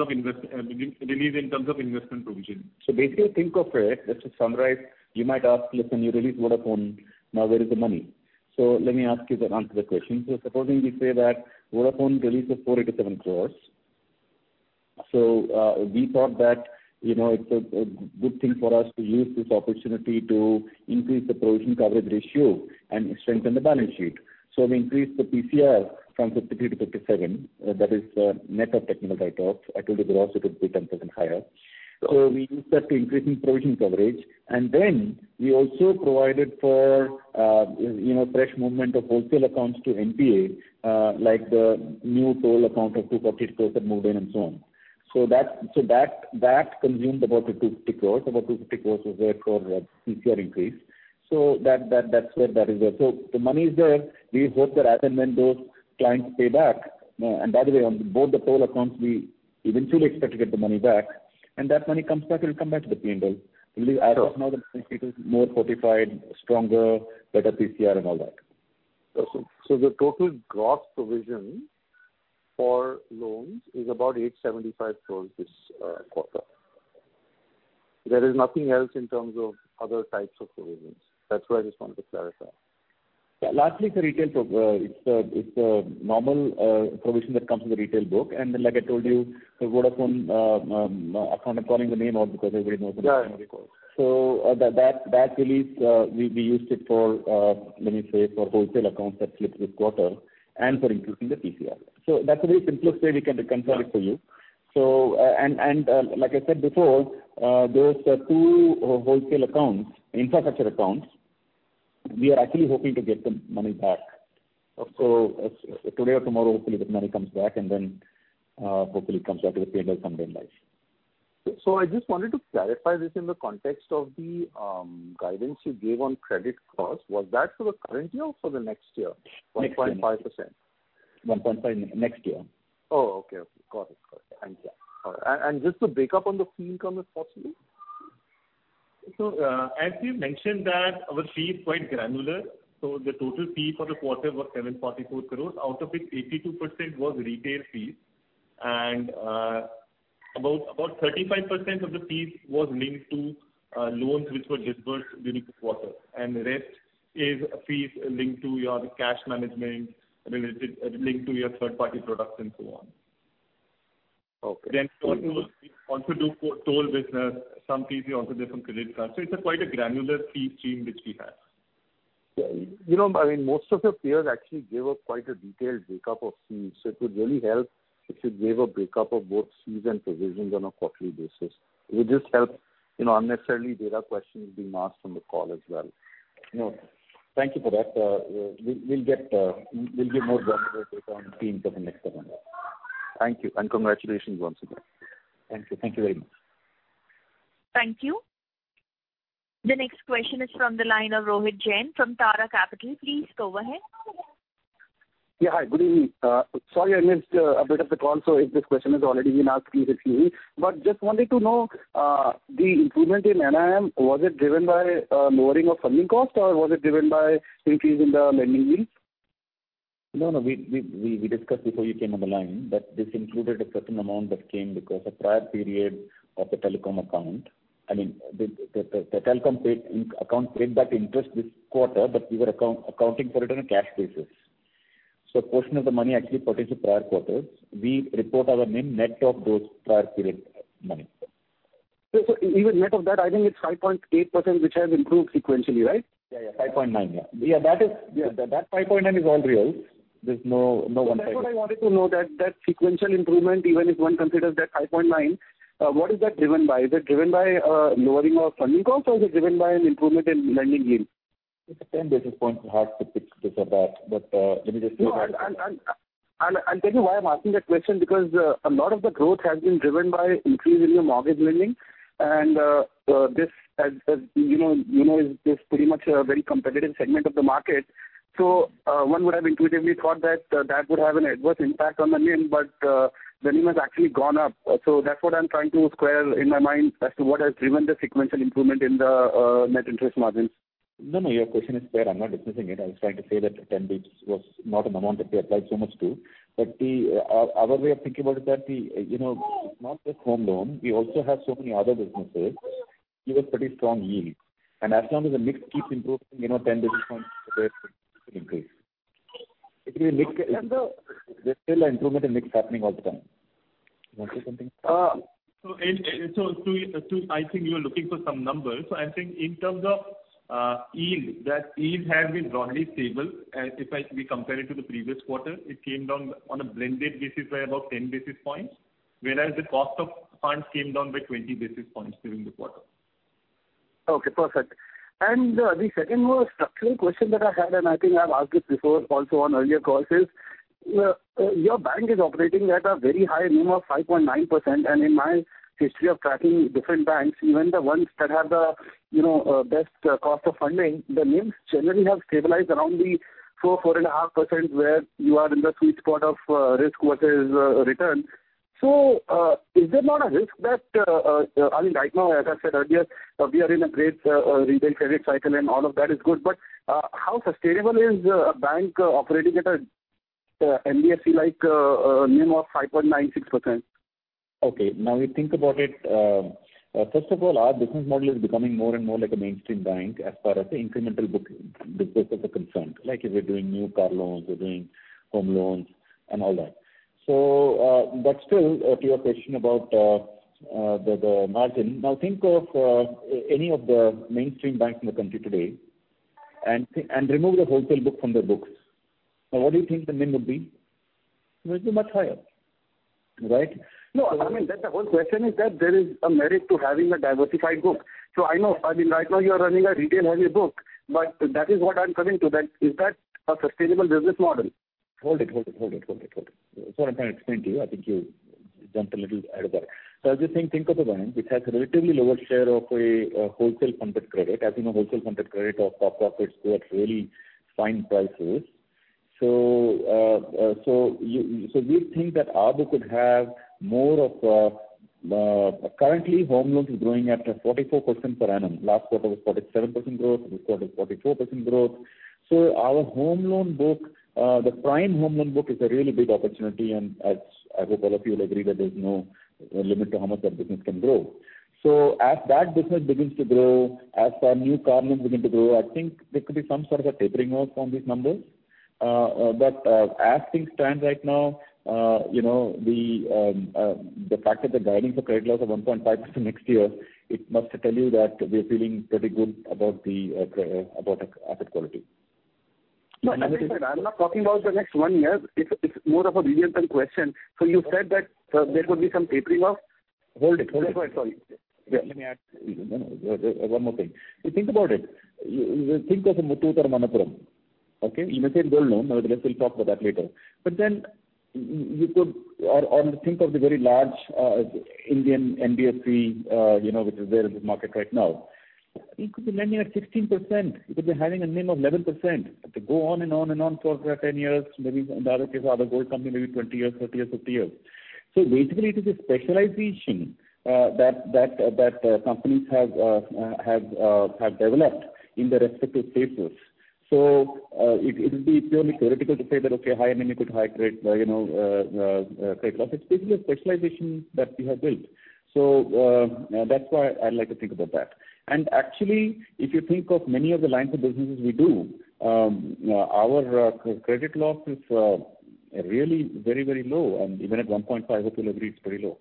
of investment provision. Basically think of it, just to summarize, you might ask, "Listen, you released Vodafone, now where is the money?" Let me answer the question. Supposing we say that Vodafone release of 487 crores. We thought that, you know, it's a good thing for us to use this opportunity to increase the provision coverage ratio and strengthen the balance sheet. We increased the PCR from 52% to 57%. That is, net of technical write-off. I told you gross it would be 10% higher. We used that to increase provision coverage. Then we also provided for, you know, fresh movement of wholesale accounts to NPA, like the new toll account of 240 crores that moved in, and so on. That consumed about 250 crores. About 250 crore was there for PCR increase. That's where that is there. The money is there. We hope that as and when those clients pay back, and by the way, on both the toll accounts, we eventually expect to get the money back. That money comes back, it'll come back to the P&L. Sure. As of now, the P&L is more fortified, stronger, better PCR and all that. Awesome. The total gross provision for loans is about 875 crore this quarter. There is nothing else in terms of other types of provisions. That's what I just wanted to clarify. Yeah. Largely it's the normal provision that comes with the retail book. Then like I told you, the Vodafone account, I'm calling the name out because everybody knows it. Yeah. That release, we used it for, let me say, for wholesale accounts that slipped this quarter and for increasing the PCR. That's a very simplest way we can reconcile it for you. Sure. Like I said before, those two wholesale accounts, infrastructure accounts, we are actually hoping to get the money back. Okay. Today or tomorrow, hopefully this money comes back, and then, hopefully it comes back to the P&L someday in life. I just wanted to clarify this in the context of the guidance you gave on credit costs. Was that for the current year or for the next year? Next year. 1.5%. 1.5% next year. Oh, okay. Got it. Thank you. All right. Just the breakup on the fee income, if possible. As we mentioned that our fee is quite granular, so the total fee for the quarter was 744 crore, out of which 82% was retail fees and about 35% of the fees was linked to loans which were disbursed during this quarter, and the rest is fees linked to your cash management, related, linked to your third party products and so on. Okay. We also do toll business. Some fees we also get from credit cards. It's quite a granular fee stream which we have. Yeah. You know, I mean, most of your peers actually give up quite a detailed break up of fees. It would really help if you gave a break up of both fees and provisions on a quarterly basis. It would just help, you know, unnecessary data questions being asked on the call as well. No, thank you for that. We'll give more granular data on fees as we move forward. Thank you, and congratulations once again. Thank you. Thank you very much. Thank you. The next question is from the line of Mohit Jain from Tara Capital. Please go ahead. Yeah. Hi, good evening. Sorry, I missed a bit of the call, so if this question has already been asked, please excuse me. Just wanted to know, the improvement in NIM, was it driven by, lowering of funding cost or was it driven by increase in the lending yield? No, no. We discussed before you came on the line that this included a certain amount that came because of prior period of the telecom account. I mean, the telecom paid-in account paid that interest this quarter, but we were accounting for it on a cash basis. A portion of the money actually pertains to prior quarters. We report our NIM net of those prior period money. Even net of that, I think it's 5.8% which has improved sequentially, right? Yeah, yeah. 5.9. Yeah. Yeah. That 5.9 is all real. There's no. That's what I wanted to know that sequential improvement, even if one considers that 5.9, what is that driven by? Is it driven by lowering of funding cost or is it driven by an improvement in lending yield? It's a 10 basis point hard to pick this or that. Let me just- No. I'll tell you why I'm asking that question because a lot of the growth has been driven by increase in your mortgage lending, and this has you know is pretty much a very competitive segment of the market. One would have intuitively thought that that would have an adverse impact on the NIM, but the NIM has actually gone up. That's what I'm trying to square in my mind as to what has driven the sequential improvement in the net interest margins. No, no, your question is fair. I'm not dismissing it. I was trying to say that 10 basis points was not an amount that we applied so much to. Our way of thinking about it that the, you know, it's not just home loan, we also have so many other businesses give us pretty strong yield. As long as the mix keeps improving, you know, 10 basis points increase. If your mix There's still an improvement in mix happening all the time. You want to say something? To, I think you're looking for some numbers. I'm saying in terms of yield, that yield has been broadly stable. As we compare it to the previous quarter, it came down on a blended basis by about 10 basis points, whereas the cost of funds came down by 20 basis points during the quarter. Okay, perfect. The second more structural question that I had, and I think I've asked it before also on earlier calls, is your bank is operating at a very high NIM of 5.9%. In my history of tracking different banks, even the ones that have the, you know, best cost of funding, the NIMs generally have stabilized around the 4%-4.5%, where you are in the sweet spot of risk versus return. Is there not a risk that I mean, right now, as I said earlier, we are in a great retail credit cycle and all of that is good, but how sustainable is a bank operating at a NBFC like NIM of 5.96%? Okay. Now we think about it. First of all, our business model is becoming more and more like a mainstream bank as far as the incremental book business is concerned. Like if we're doing new car loans, we're doing home loans and all that. Still to your question about the margin. Now think of any of the mainstream banks in the country today and remove the wholesale book from their books. Now, what do you think the NIM would be? It would be much higher, right? No, I mean, that's the whole question is that there is a merit to having a diversified book. I know, I mean, right now you are running a retail heavy book, but that is what I'm coming to, that is that a sustainable business model? Hold it. What I'm trying to explain to you, I think you jumped a little ahead of that. I was just saying, think of a bank which has a relatively lower share of a wholesale funded credit. As you know, wholesale funded credit or top profits grow at really fine prices. We think that we could have more of, currently home loans is growing at a 44% per annum. Last quarter was 47% growth. This quarter is 44% growth. Our home loan book, the prime home loan book is a really big opportunity and as I hope all of you will agree that there's no limit to how much that business can grow. As that business begins to grow, as our new car loans begin to grow, I think there could be some sort of a tapering off from these numbers. But as things stand right now, you know, the fact that we're guiding for credit loss of 1.5% next year, it must tell you that we are feeling pretty good about the asset quality. No, as I said, I'm not talking about the next one year. It's more of a medium-term question. You said that there could be some tapering off. Hold it. Sorry. Let me add one more thing. If you think about it, think of a Muthoot or Manappuram. Okay? You may say it's gold loan. Nevertheless, we'll talk about that later. You could think of the very large Indian NBFC, you know, which is there in this market right now. It could be lending at 16%. It could be having a NIM of 11%. It could go on and on and on for 10 years, maybe in the other case of other gold company, maybe 20 years, 30 years, 50 years. Basically it is a specialization that companies have developed in their respective spaces. It would be purely theoretical to say that, okay, high NPA, high credit, you know, credit loss. It's basically a specialization that we have built. That's why I'd like to think about that. Actually, if you think of many of the lines of businesses we do, our credit loss is really very low, and even at 1.5%, I hope you'll agree it's very low.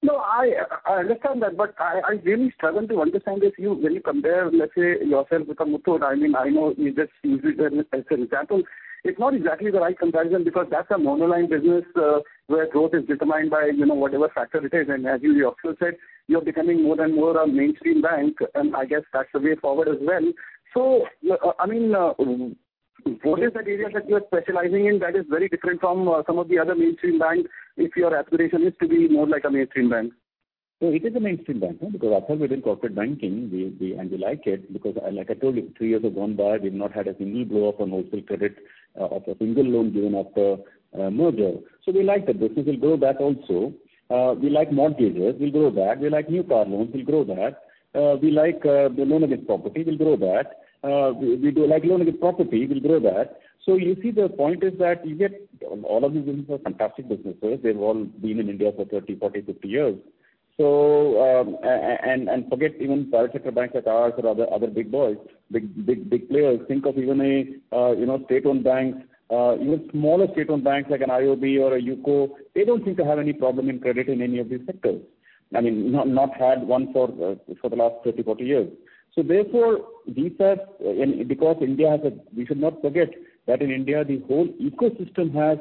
No, I understand that, but I really struggle to understand if you really compare, let's say, yourself with a Muthoot. I mean, I know you just used it as an example. It's not exactly the right comparison because that's a monoline business, where growth is determined by, you know, whatever factor it is. As you've also said, you're becoming more and more a mainstream bank, and I guess that's the way forward as well. I mean, what is that area that you are specializing in that is very different from, some of the other mainstream banks if your aspiration is to be more like a mainstream bank? It is a mainstream bank, because apart from within corporate banking, and we like it because, like I told you, three years have gone by, we've not had a single blow-up on wholesale credit, of a single loan given after, merger. We like that business. We'll grow that also. We like mortgages. We'll grow that. We like new car loans. We'll grow that. We like the loan against property. We'll grow that. We do like loan against property. We'll grow that. You see, the point is that you get all of these businesses are fantastic businesses. They've all been in India for 30, 40, 50 years. And forget even private sector banks like ours or other big boys, big players. Think of even a, you know, state-owned banks, even smaller state-owned banks like an IOB or a UCO. They don't seem to have any problem in credit in any of these sectors. I mean, not had one for the last 30, 40 years. We should not forget that in India, the whole ecosystem has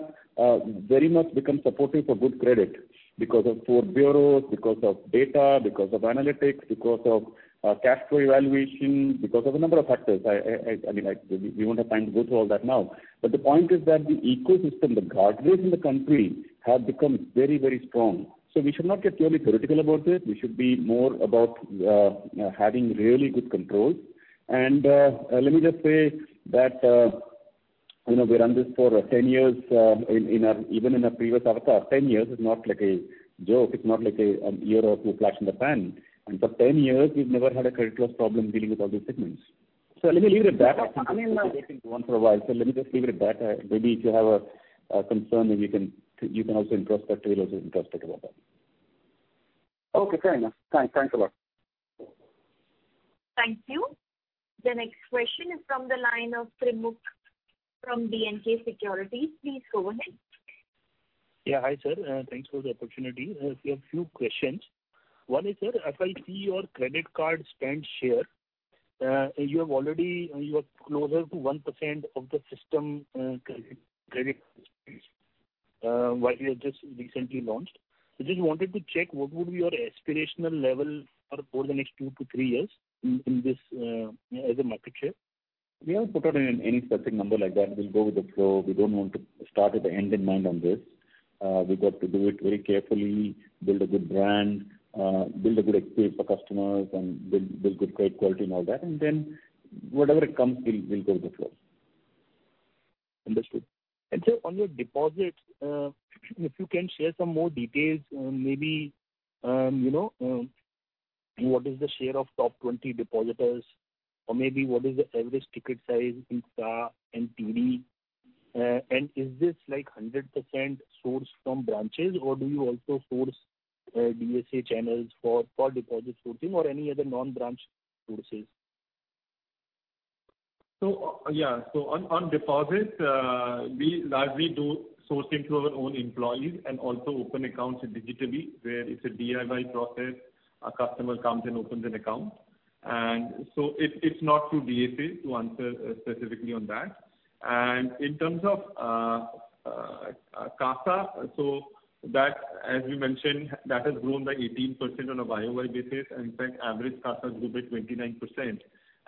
very much become supportive for good credit because of four bureaus, because of data, because of analytics, because of cash flow evaluation, because of a number of factors. I mean, we won't have time to go through all that now. The point is that the ecosystem, the guardrails in the country have become very, very strong. We should not get purely theoretical about it. We should be more about having really good controls. Let me just say that you know we run this for 10 years even in a previous avatar. 10 years is not like a joke. It's not like a year or two flash in the pan. For 10 years, we've never had a credit loss problem dealing with all these segments. Let me leave it at that. I mean. once in a while. Let me just leave it at that. Maybe if you have a concern, then you can also introspect. We will also introspect about that. Okay, fair enough. Thanks a lot. Thank you. The next question is from the line of Premkumar from B&K Securities. Please go ahead. Yeah, hi, sir. Thanks for the opportunity. Few questions. One is, sir, as I see your credit card spend share, you have already you are closer to 1% of the system credit while you have just recently launched. I just wanted to check what would be your aspirational level for the next two to three years in this as a market share? We haven't put out any specific number like that. We'll go with the flow. We don't want to start with the end in mind on this. We've got to do it very carefully, build a good brand, build a good experience for customers and build good credit quality and all that. Whatever it comes, we'll go with the flow. Understood. Sir, on your deposits, if you can share some more details, maybe, you know, what is the share of top 20 depositors? Or maybe what is the average ticket size in CASA and TD? And is this like 100% sourced from branches? Or do you also source DSA channels for deposit sourcing or any other non-branch sources? On deposits, we largely do sourcing through our own employees and also open accounts digitally, where it's a DIY process. A customer comes and opens an account. It's not through DSAs to answer specifically on that. In terms of CASA, as we mentioned, that has grown by 18% on a YOY basis. In fact, average CASA grew by 29%.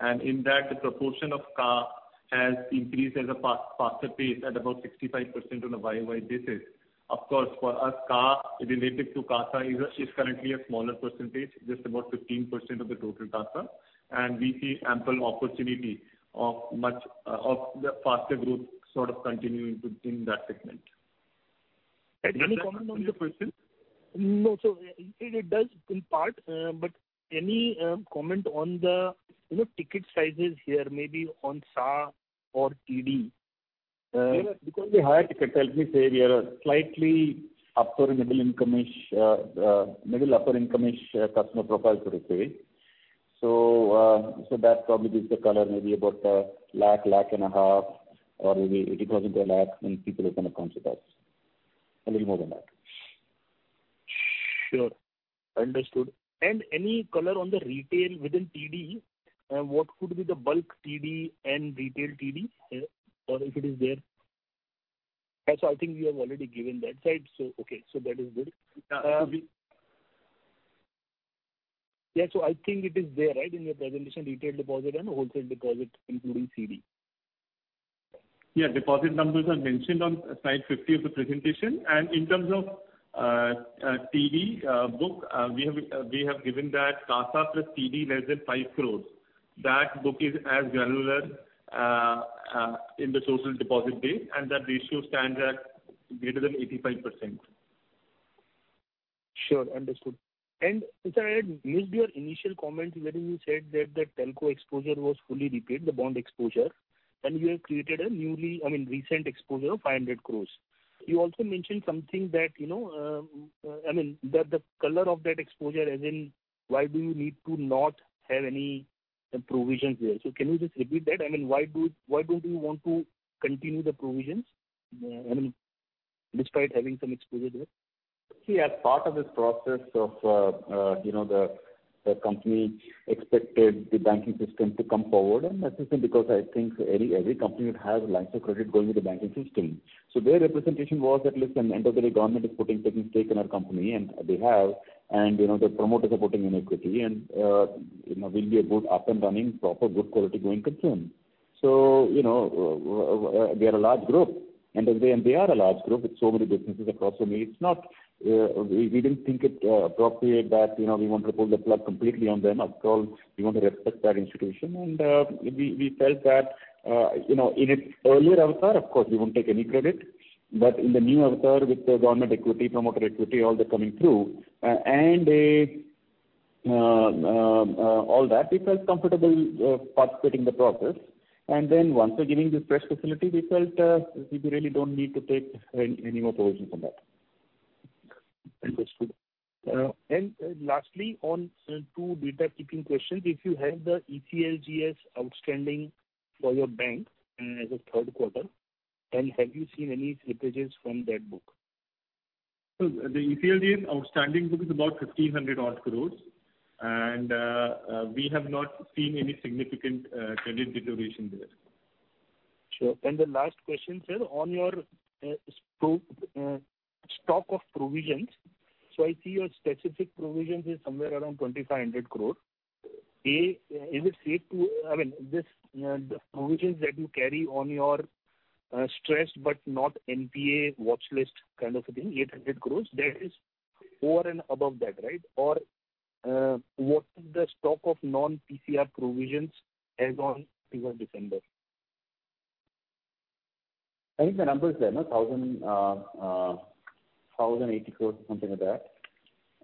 In that, the proportion of CASA has increased at a faster pace at about 65% on a YOY basis. Of course, for us, CASA related to CASA is currently a smaller percentage, just about 15% of the total CASA. We see ample opportunity of much of the faster growth sort of continuing in that segment. Any comment on the question? No, it does in part. But any comment on the, you know, ticket sizes here, maybe on SA or TD? Because the higher ticket tells me, say we are a slightly upper middle-income-ish, middle upper-income-ish customer profile for retail. That probably gives the color maybe about 150,000 or maybe 80,000-100,000 many people have opened accounts with us. A little more than that. Sure. Understood. Any color on the retail within TD? What could be the bulk TD and retail TD, or if it is there? I think you have already given that side, so okay. That is good. Yeah. Could be. Yeah. I think it is there, right, in your presentation, retail deposit and wholesale deposit, including CD. Yeah. Deposit numbers are mentioned on slide 50 of the presentation. In terms of TD book, we have given that CASA plus TD less than 5 crore. That book is as granular in the source and deposit base, and that ratio stands at greater than 85%. Sure, understood. Sir, I had missed your initial comment wherein you said that the telco exposure was fully repaid, the bond exposure, and you have created a recent exposure of 500 crore. You also mentioned something that, you know, I mean, the color of that exposure, as in why do you need to not have any provisions there? Can you just repeat that? I mean, why don't you want to continue the provisions, I mean, despite having some exposure there? See, as part of this process of, you know, the company expected the banking system to come forward, and that is because I think every company would have lines of credit going with the banking system. Their representation was that, listen, end of the day, government is putting certain stake in our company, and they have, you know, the promoter supporting in equity and, you know, we'll be a good up and running, proper good quality going concern. You know, we are a large group, and they are a large group with so many businesses across. It's not, we didn't think it appropriate that, you know, we want to pull the plug completely on them. After all, we want to respect that institution. We felt that, you know, in its earlier avatar, of course, we won't take any credit. In the new avatar with the government equity, promoter equity, all that coming through, and all that, we felt comfortable participating in the process. Then once they're giving this fresh facility, we felt we really don't need to take any more provisions on that. Understood. Lastly, on 2 data keeping questions. If you have the ECLGS outstanding for your bank, as of third quarter, and have you seen any slippages from that book? The ECLGS outstanding book is about 1500 odd crores. We have not seen any significant credit deterioration there. Sure. The last question, sir, on your stock of provisions. I see your specific provisions is somewhere around 2,500 crore. Is it safe, I mean, this, the provisions that you carry on your stressed but not NPA watchlist kind of a thing, 800 crore, that is over and above that, right? What is the stock of non-PCR provisions as on December? I think the number is there, no? 1,080 crores, something like that.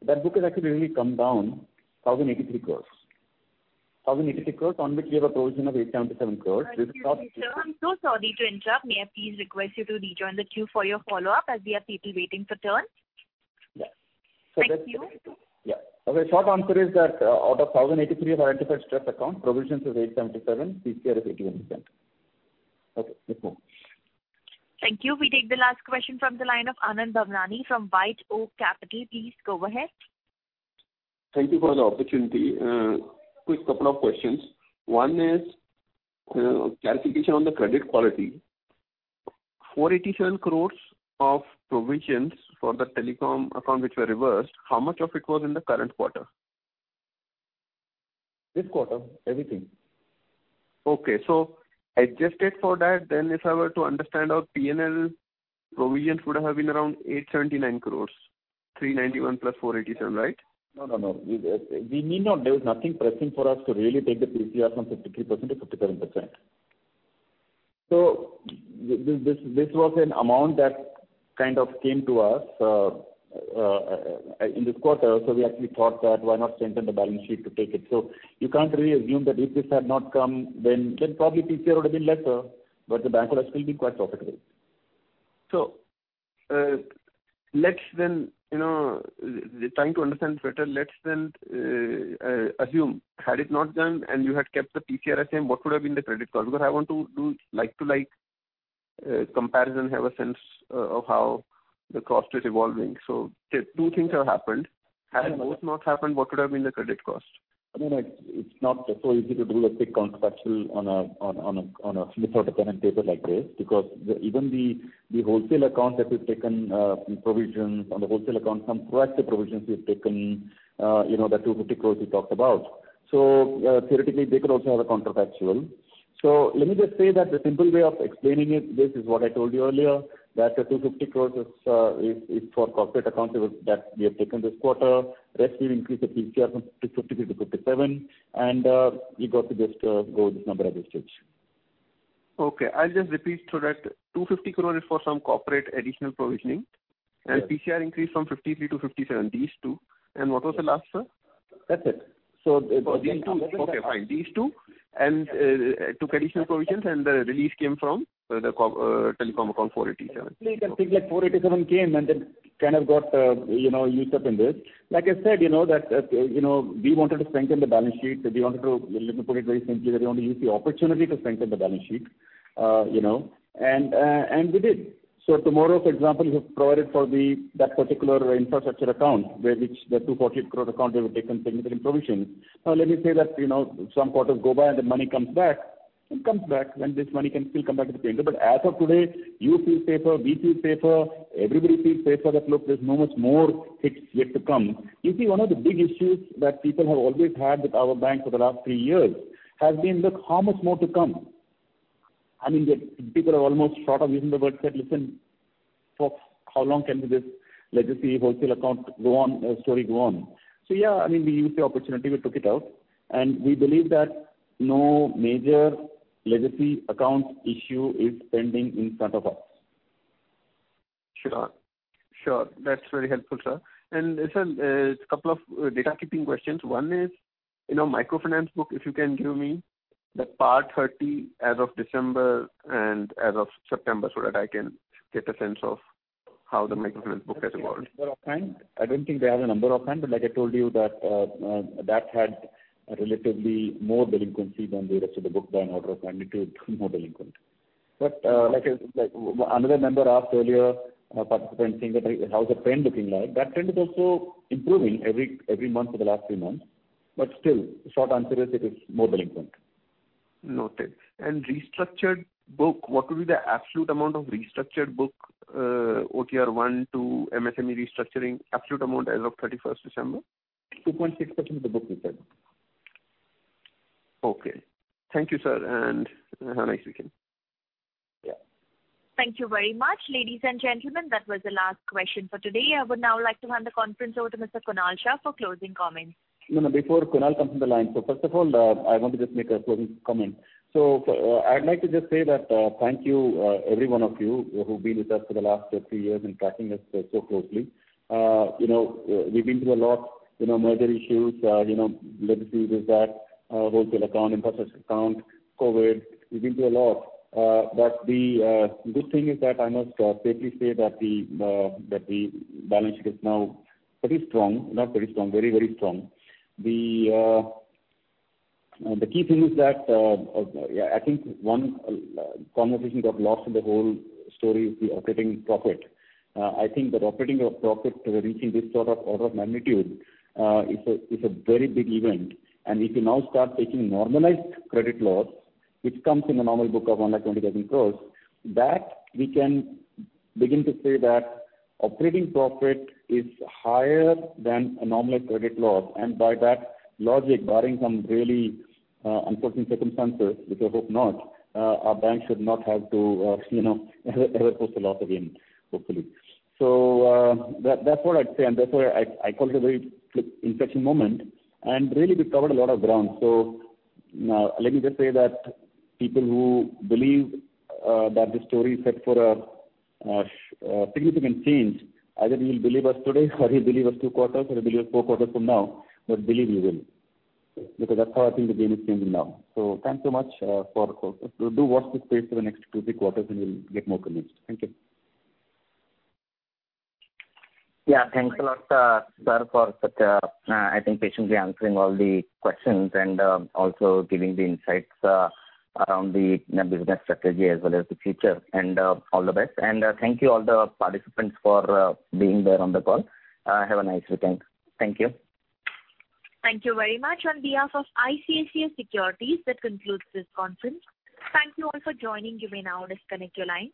That book has actually really come down, 1,083 crores. 1,083 crores on which we have a provision of 877 crores. Sir, I'm so sorry to interrupt. May I please request you to rejoin the queue for your follow-up, as we have people waiting for turns? Yeah. Thank you. Yeah. Okay, short answer is that, out of 1,083 identified stress account, provisions is 877, PCR is 88%. Okay, let's move on. Thank you. We take the last question from the line of Anand Bhavnani from White Oak Capital. Please go ahead. Thank you for the opportunity. Quick couple of questions. One is, clarification on the credit quality. 487 crore of provisions for the telecom account which were reversed, how much of it was in the current quarter? This quarter, everything. Adjusted for that, then if I were to understand our P&L provisions would have been around 879 crores, 391 + 487, right? No. We need not. There is nothing pressing for us to really take the PCR from 53% to 57%. This was an amount that kind of came to us in this quarter. We actually thought that why not strengthen the balance sheet to take it. You can't really assume that if this had not come, then probably PCR would have been lesser, but the bank will still be quite profitable. Let's try to understand better. Assume had it not been done and you had kept the PCR same, what would have been the credit cost? Because I want to do like to like comparison, have a sense of how the cost is evolving. Two things have happened. Had both not happened, what would have been the credit cost? I mean, it's not so easy to do a quick counterfactual on a slip of the pen and paper like this because even the wholesale account that we've taken provisions on the wholesale account, some proactive provisions we've taken, you know, the 250 crore we talked about. Theoretically, they could also have a counterfactual. Let me just say that the simple way of explaining it, this is what I told you earlier, that the 250 crore is for corporate accounts that we have taken this quarter. Rest we've increased the PCR from 53-57. We got to just go with this number as it is. Okay. I'll just repeat. That 250 crore is for some corporate additional provisioning. Yes. PCR increased from 53%-57%, these two. What was the last, sir? That's it. These two. Okay, fine. These two and took additional provisions, and the release came from the corporate telecom account 487. You can think that 487 crore came and then kind of got, you know, used up in this. Like I said, you know, that we wanted to strengthen the balance sheet. Let me put it very simply, that we want to use the opportunity to strengthen the balance sheet, you know, and we did. Tomorrow, for example, you have provided for that particular infrastructure account where the 240 crore account we have taken significant provision. Now, let me say that, you know, some quarters go by and the money comes back, and this money can still come back to the bank. But as of today, you feel safer, we feel safer, everybody feels safer that look, there's not much more hits yet to come. You see, one of the big issues that people have always had with our bank for the last three years has been, look, how much more to come? I mean, the people are almost short of using the word said, "Listen, for how long can this legacy wholesale account go on, story go on?" Yeah, I mean, we used the opportunity, we took it out, and we believe that no major legacy accounts issue is pending in front of us. Sure, sure. That's very helpful, sir. Listen, it's a couple of data keeping questions. One is, in our microfinance book, if you can give me the PAR 30 as of December and as of September so that I can get a sense of how the microfinance book has evolved. Number of times. I don't think they have a number of times, but like I told you that that had a relatively more delinquency than the rest of the book by an order of magnitude, more delinquent. Like another member asked earlier, a participant saying that how's the trend looking like? That trend is also improving every month for the last three months. Still, short answer is it is more delinquent. Noted. Restructured book, what will be the absolute amount of restructured book, OTR 1 to MSME restructuring, absolute amount as of December 31st? 2.6% of the book we said. Okay. Thank you, sir, and have a nice weekend. Yeah. Thank you very much, ladies and gentlemen. That was the last question for today. I would now like to hand the conference over to Mr. Kunal Shah for closing comments. No, no, before Kunal comes on the line. First of all, I want to just make a closing comment. I'd like to just say that, thank you, every one of you who've been with us for the last three years and tracking us so closely. You know, we've been through a lot, you know, merger issues, you know, legacies this that, wholesale account, infrastructure account, COVID, we've been through a lot. The good thing is that I must safely say that the balance sheet is now pretty strong. Not pretty strong, very, very strong. The key thing is that, I think one conversation got lost in the whole story is the operating profit. I think that operating profit reaching this sort of order of magnitude is a very big event. If you now start taking normalized credit loss, which comes in a normal book of under 20,000 crore, that we can begin to say that operating profit is higher than a normal credit loss. By that logic, barring some really unfortunate circumstances, which I hope not, our bank should not have to you know ever post a loss again, hopefully. That's what I'd say, and that's why I call it a very flip inflection moment. Really, we've covered a lot of ground. Let me just say that people who believe that this story is set for a significant change, either you'll believe us today or you'll believe us two quarters or you'll believe us four quarters from now, but believe you will. Because that's how I think the game is changing now. Thanks so much for the call. Do watch this space for the next two, three quarters and you'll get more convinced. Thank you. Yeah, thanks a lot, sir, for such a I think patiently answering all the questions and also giving the insights around the business strategy as well as the future and all the best. Thank you all the participants for being there on the call. Have a nice weekend. Thank you. Thank you very much. On behalf of ICICI Securities, that concludes this conference. Thank you all for joining. You may now disconnect your lines.